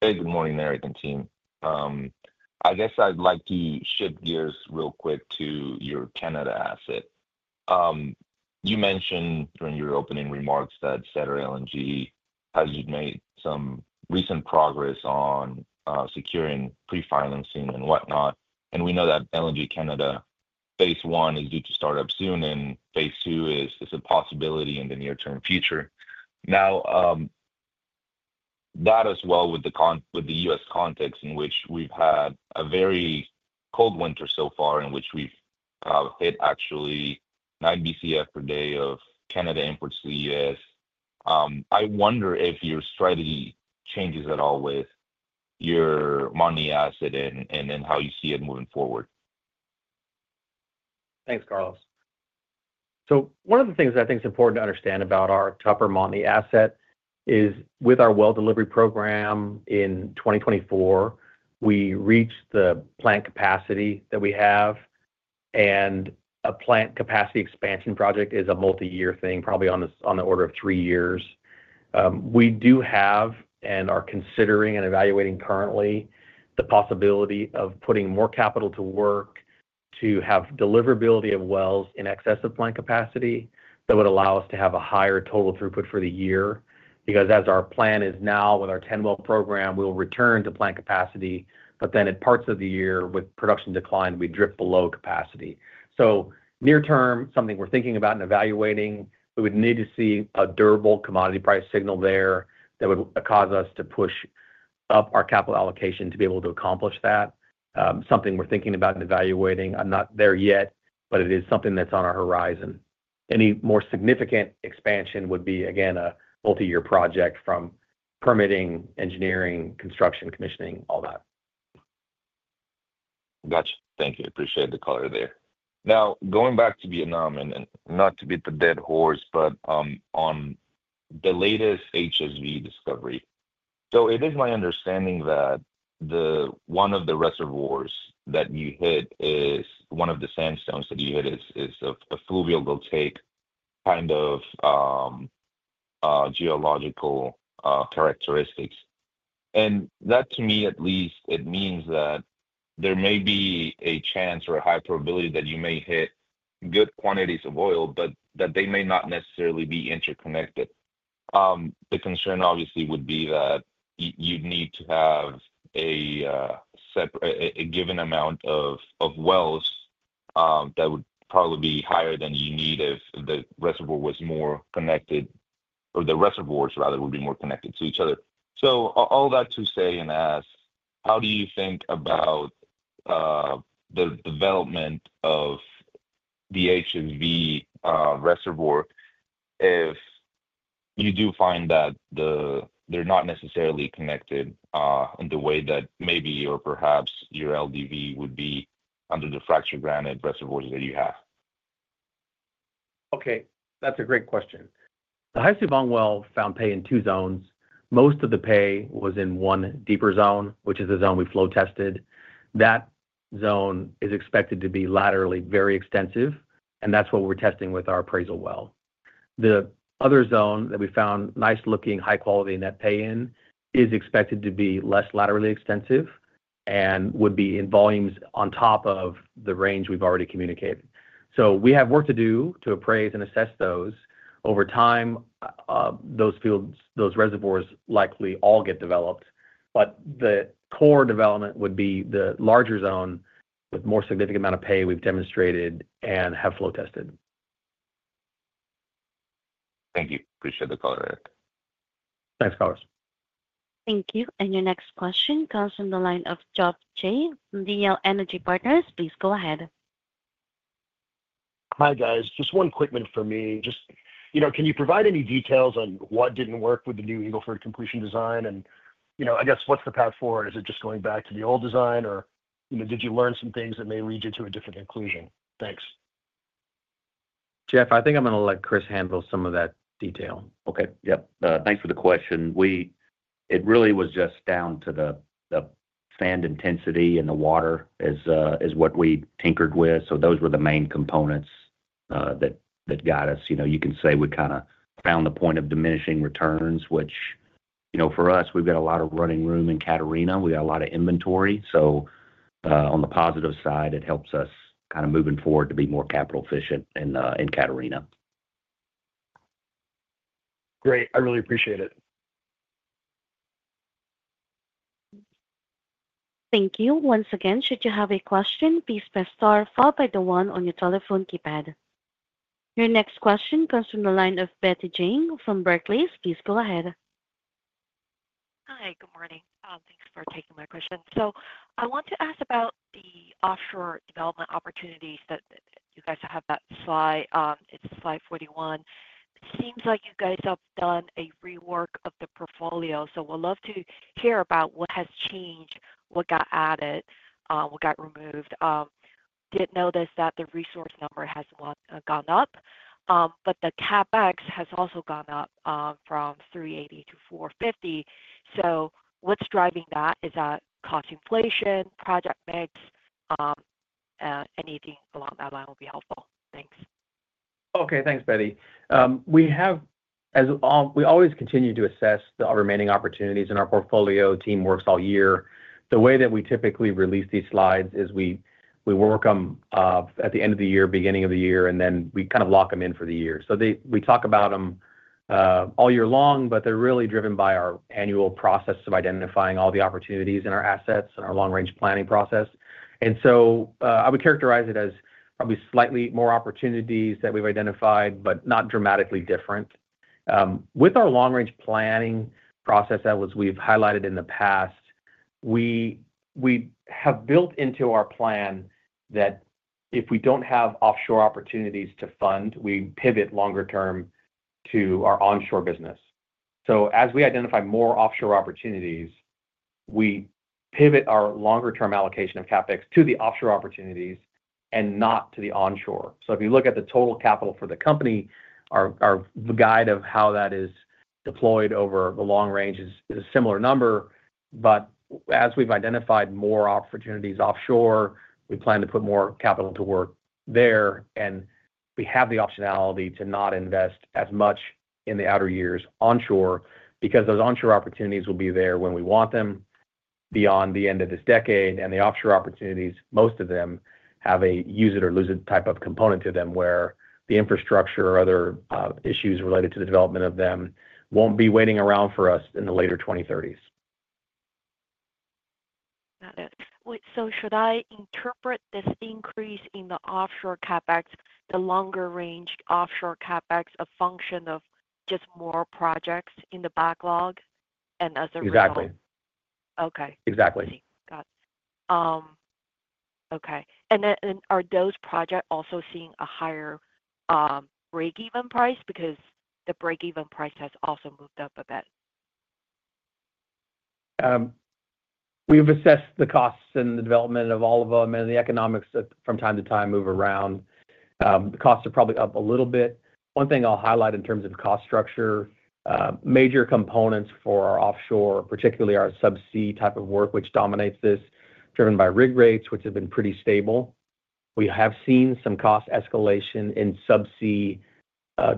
Hey, good morning, Eric and team. I guess I'd like to shift gears real quick to your Canada asset. You mentioned during your opening remarks that Cedar LNG has made some recent progress on securing pre-financing and whatnot, and we know that LNG Canada phase one is due to start up soon, and phase two is a possibility in the near-term future. Now, that as well with the U.S. context in which we've had a very cold winter so far in which we've hit actually 9 BCF per day of Canada inputs to the U.S. I wonder if your strategy changes at all with your Montney asset and how you see it moving forward. Thanks, Carlos. So one of the things that I think is important to understand about our Tupper Montney asset is with our well delivery program in 2024, we reached the plant capacity that we have. And a plant capacity expansion project is a multi-year thing, probably on the order of three years. We do have and are considering and evaluating currently the possibility of putting more capital to work to have deliverability of wells in excess of plant capacity that would allow us to have a higher total throughput for the year because as our plan is now with our 10-well program, we'll return to plant capacity, but then at parts of the year with production decline, we drop below capacity. So near-term, something we're thinking about and evaluating, we would need to see a durable commodity price signal there that would cause us to push up our capital allocation to be able to accomplish that. Something we're thinking about and evaluating. I'm not there yet, but it is something that's on our horizon. Any more significant expansion would be, again, a multi-year project from permitting, engineering, construction, commissioning, all that. Gotcha. Thank you. Appreciate the color there. Now, going back to Vietnam, and not to beat the dead horse, but on the latest HSV discovery. So it is my understanding that one of the reservoirs that you hit, one of the sandstones that you hit, is a fluvial volcanic kind of geological characteristics. And that, to me, at least, it means that there may be a chance or a high probability that you may hit good quantities of oil, but that they may not necessarily be interconnected. The concern, obviously, would be that you'd need to have a given amount of wells that would probably be higher than you need if the reservoir was more connected or the reservoirs, rather, would be more connected to each other. So all that to say and ask, how do you think about the development of the HSV reservoir if you do find that they're not necessarily connected in the way that maybe or perhaps your LDV would be under the fractured granite reservoirs that you have? Okay. That's a great question. The HSV main well found pay in two zones. Most of the pay was in one deeper zone, which is the zone we flow tested. That zone is expected to be laterally very extensive, and that's what we're testing with our appraisal well. The other zone that we found nice-looking, high-quality net pay in is expected to be less laterally extensive and would be in volumes on top of the range we've already communicated. So we have work to do to appraise and assess those. Over time, those reservoirs likely all get developed, but the core development would be the larger zone with more significant amount of pay we've demonstrated and have flow tested. Thank you. Appreciate the call, Eric. Thanks, Carlos. Thank you. And your next question comes from the line of Geoff Jay, Daniel Energy Partners. Please go ahead. Hi, guys. Just one quick one for me. Just can you provide any details on what didn't work with the new Eagle Ford completion design? And I guess what's the path forward? Is it just going back to the old design, or did you learn some things that may lead you to a different conclusion? Thanks. Geoff, I think I'm going to let Chris handle some of that detail. Okay. Yep. Thanks for the question. It really was just down to the sand intensity and the water is what we tinkered with. So those were the main components that got us. You can say we kind of found the point of diminishing returns, which for us, we've got a lot of running room in Catarina. We got a lot of inventory. So on the positive side, it helps us kind of moving forward to be more capital efficient in Catarina. Great. I really appreciate it. Thank you. Once again, should you have a question, please press star followed by the one on your telephone keypad. Your next question comes from the line of Betty Jiang from Barclays. Please go ahead. Hi, good morning. Thanks for taking my question. So I want to ask about the offshore development opportunities that you guys have that slide. It's slide 41. It seems like you guys have done a rework of the portfolio. So we'd love to hear about what has changed, what got added, what got removed. Did notice that the resource number has gone up, but the CapEx has also gone up from $380 to $450. So what's driving that? Is that cost inflation, project mix? Anything along that line will be helpful. Thanks. Okay. Thanks, Betty. We always continue to assess the remaining opportunities in our portfolio. Team works all year. The way that we typically release these slides is we work them at the end of the year, beginning of the year, and then we kind of lock them in for the year. So we talk about them all year long, but they're really driven by our annual process of identifying all the opportunities in our assets and our long-range planning process, and so I would characterize it as probably slightly more opportunities that we've identified, but not dramatically different. With our long-range planning process, as we've highlighted in the past, we have built into our plan that if we don't have offshore opportunities to fund, we pivot longer term to our onshore business. So as we identify more offshore opportunities, we pivot our longer-term allocation of CapEx to the offshore opportunities and not to the onshore. So if you look at the total capital for the company, our guide of how that is deployed over the long range is a similar number. But as we've identified more opportunities offshore, we plan to put more capital to work there. And we have the optionality to not invest as much in the outer years onshore because those onshore opportunities will be there when we want them beyond the end of this decade. And the offshore opportunities, most of them have a use-it-or-lose-it type of component to them where the infrastructure or other issues related to the development of them won't be waiting around for us in the later 2030s. Got it. So should I interpret this increase in the offshore CapEx, the longer-range offshore CapEx, a function of just more projects in the backlog and as a result? Exactly. Okay. Exactly. Got it. Okay. And then are those projects also seeing a higher break-even price because the break-even price has also moved up a bit? We've assessed the costs and the development of all of them, and the economics from time to time move around. The costs are probably up a little bit. One thing I'll highlight in terms of cost structure, major components for our offshore, particularly our subsea type of work, which dominates this, driven by rig rates, which have been pretty stable. We have seen some cost escalation in subsea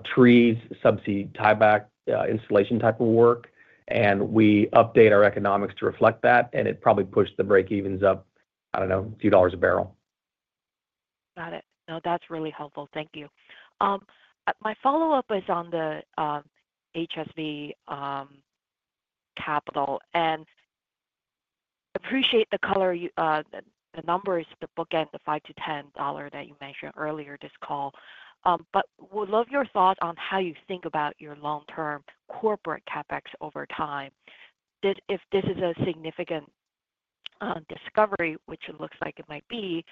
trees, subsea tieback installation type of work, and we update our economics to reflect that, and it probably pushed the break-evens up, I don't know, a few dollars a barrel. Got it. No, that's really helpful. Thank you. My follow-up is on the HSV capital. And I appreciate the color, the numbers, the bookend, the $5-$10 that you mentioned earlier this call. But would love your thoughts on how you think about your long-term corporate CapEx over time. If this is a significant discovery, which it looks like it might be,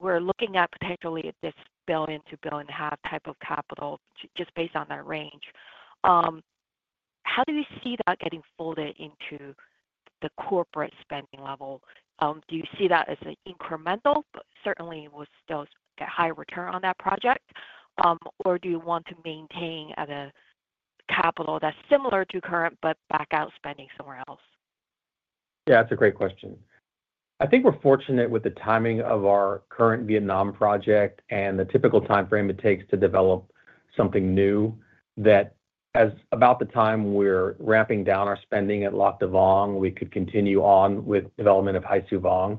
we're looking at potentially this $1 billion-$1.5 billion type of capital just based on that range. How do you see that getting folded into the corporate spending level? Do you see that as an incremental, but certainly will still get higher return on that project, or do you want to maintain at a capital that's similar to current but back out spending somewhere else? Yeah, that's a great question. I think we're fortunate with the timing of our current Vietnam project and the typical timeframe it takes to develop something new that, as about the time we're ramping down our spending at Lac Da Vang, we could continue on with development of Hai Su Vang.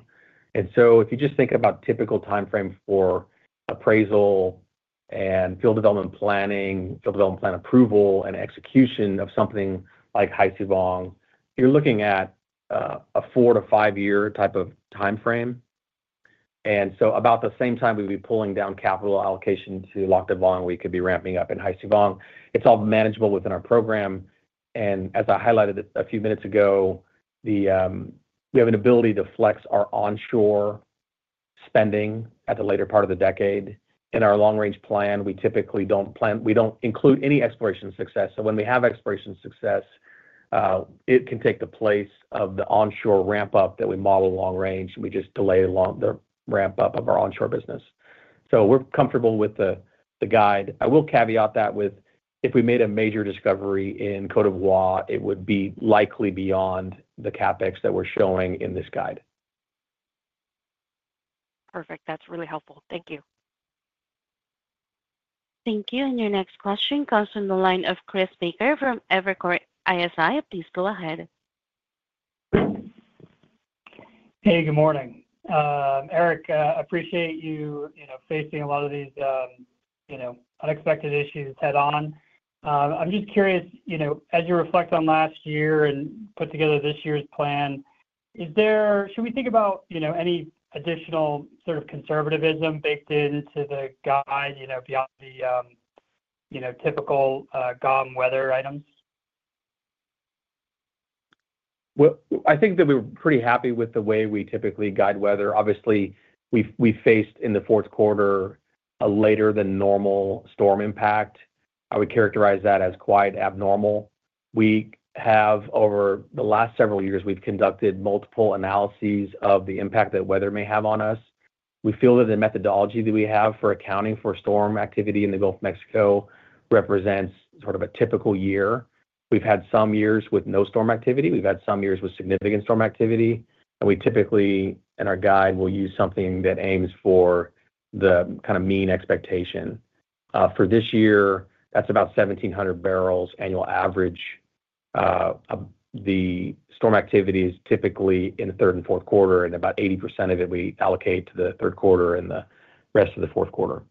And so if you just think about typical timeframe for appraisal and field development planning, field development plan approval, and execution of something like Hai Su Vang, you're looking at a four- to five-year type of timeframe. And so about the same time we'd be pulling down capital allocation to Lac Da Vang, we could be ramping up in Hai Su Vang. It's all manageable within our program. And as I highlighted a few minutes ago, we have an ability to flex our onshore spending at the later part of the decade. In our long-range plan, we typically don't include any exploration success. So when we have exploration success, it can take the place of the onshore ramp-up that we model long-range, and we just delay the ramp-up of our onshore business. So we're comfortable with the guide. I will caveat that with, if we made a major discovery in Côte d'Ivoire, it would be likely beyond the CapEx that we're showing in this guide. Perfect. That's really helpful. Thank you. Thank you. And your next question comes from the line of Chris Baker from Evercore ISI. Please go ahead. Hey, good morning. Eric, I appreciate you facing a lot of these unexpected issues head-on. I'm just curious, as you reflect on last year and put together this year's plan, should we think about any additional sort of conservatism baked into the guide beyond the typical GOM weather items? I think that we were pretty happy with the way we typically guide weather. Obviously, we faced in the fourth quarter a later-than-normal storm impact. I would characterize that as quite abnormal. Over the last several years, we've conducted multiple analyses of the impact that weather may have on us. We feel that the methodology that we have for accounting for storm activity in the Gulf of Mexico represents sort of a typical year. We've had some years with no storm activity. We've had some years with significant storm activity. We typically, in our guide, will use something that aims for the kind of mean expectation. For this year, that's about 1,700 barrels annual average. The storm activity is typically in the third and fourth quarter, and about 80% of it we allocate to the third quarter and the rest of the fourth quarter.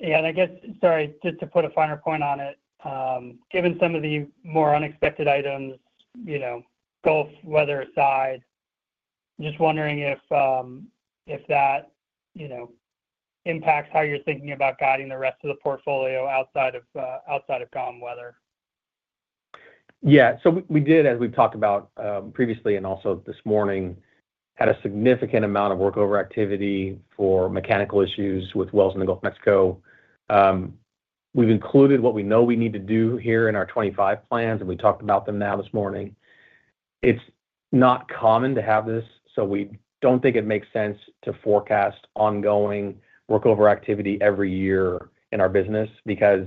Yeah. And I guess, sorry, just to put a finer point on it, given some of the more unexpected items, Gulf weather aside, just wondering if that impacts how you're thinking about guiding the rest of the portfolio outside of Gulf weather? Yeah. So we did, as we've talked about previously and also this morning, had a significant amount of workover activity for mechanical issues with wells in the Gulf of Mexico. We've included what we know we need to do here in our 2025 plans, and we talked about them now this morning. It's not common to have this, so we don't think it makes sense to forecast ongoing workover activity every year in our business because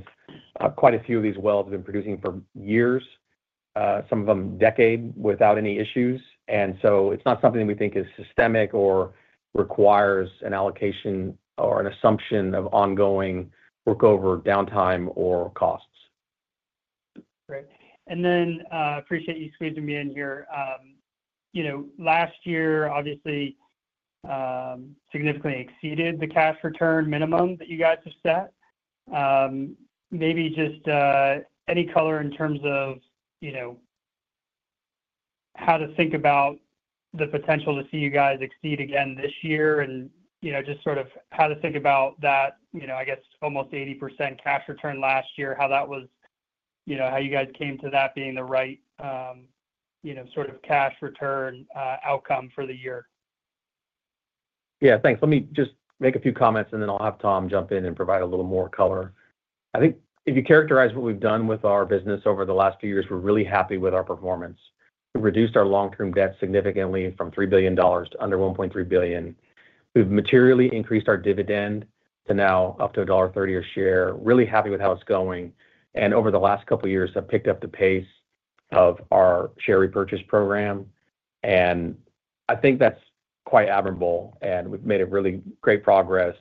quite a few of these wells have been producing for years, some of them decades, without any issues. And so it's not something that we think is systemic or requires an allocation or an assumption of ongoing workover downtime or costs. Great. And then I appreciate you squeezing me in here. Last year, obviously, significantly exceeded the cash return minimum that you guys have set. Maybe just any color in terms of how to think about the potential to see you guys exceed again this year and just sort of how to think about that, I guess, almost 80% cash return last year, how that was, how you guys came to that being the right sort of cash return outcome for the year. Yeah. Thanks. Let me just make a few comments, and then I'll have Tom jump in and provide a little more color. I think if you characterize what we've done with our business over the last few years, we're really happy with our performance. We've reduced our long-term debt significantly from $3 billion to under $1.3 billion. We've materially increased our dividend to now up to $1.30 a share. Really happy with how it's going. And over the last couple of years, have picked up the pace of our share repurchase program. And I think that's quite admirable, and we've made really great progress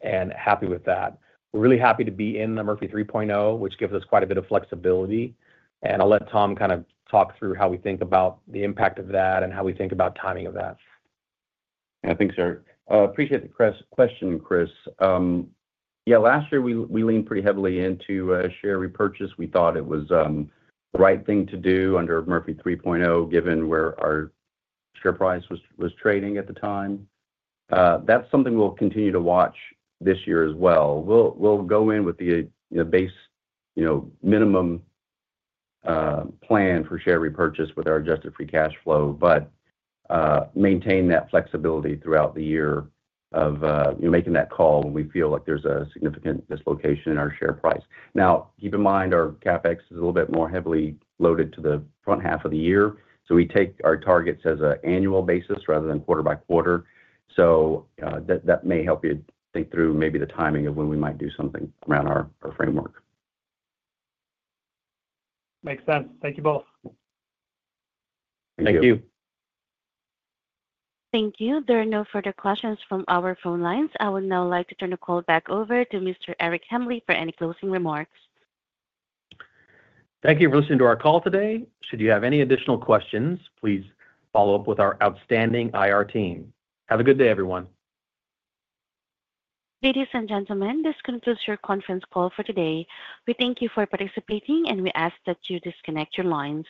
and happy with that. We're really happy to be in the Murphy 3.0, which gives us quite a bit of flexibility. And I'll let Tom kind of talk through how we think about the impact of that and how we think about timing of that. Yeah thanks, Eric. Appreciate the question, Chris. Yeah. Last year, we leaned pretty heavily into share repurchase. We thought it was the right thing to do under Murphy 3.0 given where our share price was trading at the time. That's something we'll continue to watch this year as well. We'll go in with the base minimum plan for share repurchase with our Adjusted Free Cash Flow, but maintain that flexibility throughout the year of making that call when we feel like there's a significant dislocation in our share price. Now, keep in mind, our CapEx is a little bit more heavily loaded to the front half of the year. So we take our targets as an annual basis rather than quarter by quarter. So that may help you think through maybe the timing of when we might do something around our framework. Makes sense. Thank you both. Thank you. Thank you. Thank you. There are no further questions from our phone lines. I would now like to turn the call back over to Mr. Eric Hambly for any closing remarks. Thank you for listening to our call today. Should you have any additional questions, please follow up with our outstanding IR team. Have a good day, everyone. Ladies and gentlemen, this concludes your conference call for today. We thank you for participating, and we ask that you disconnect your lines.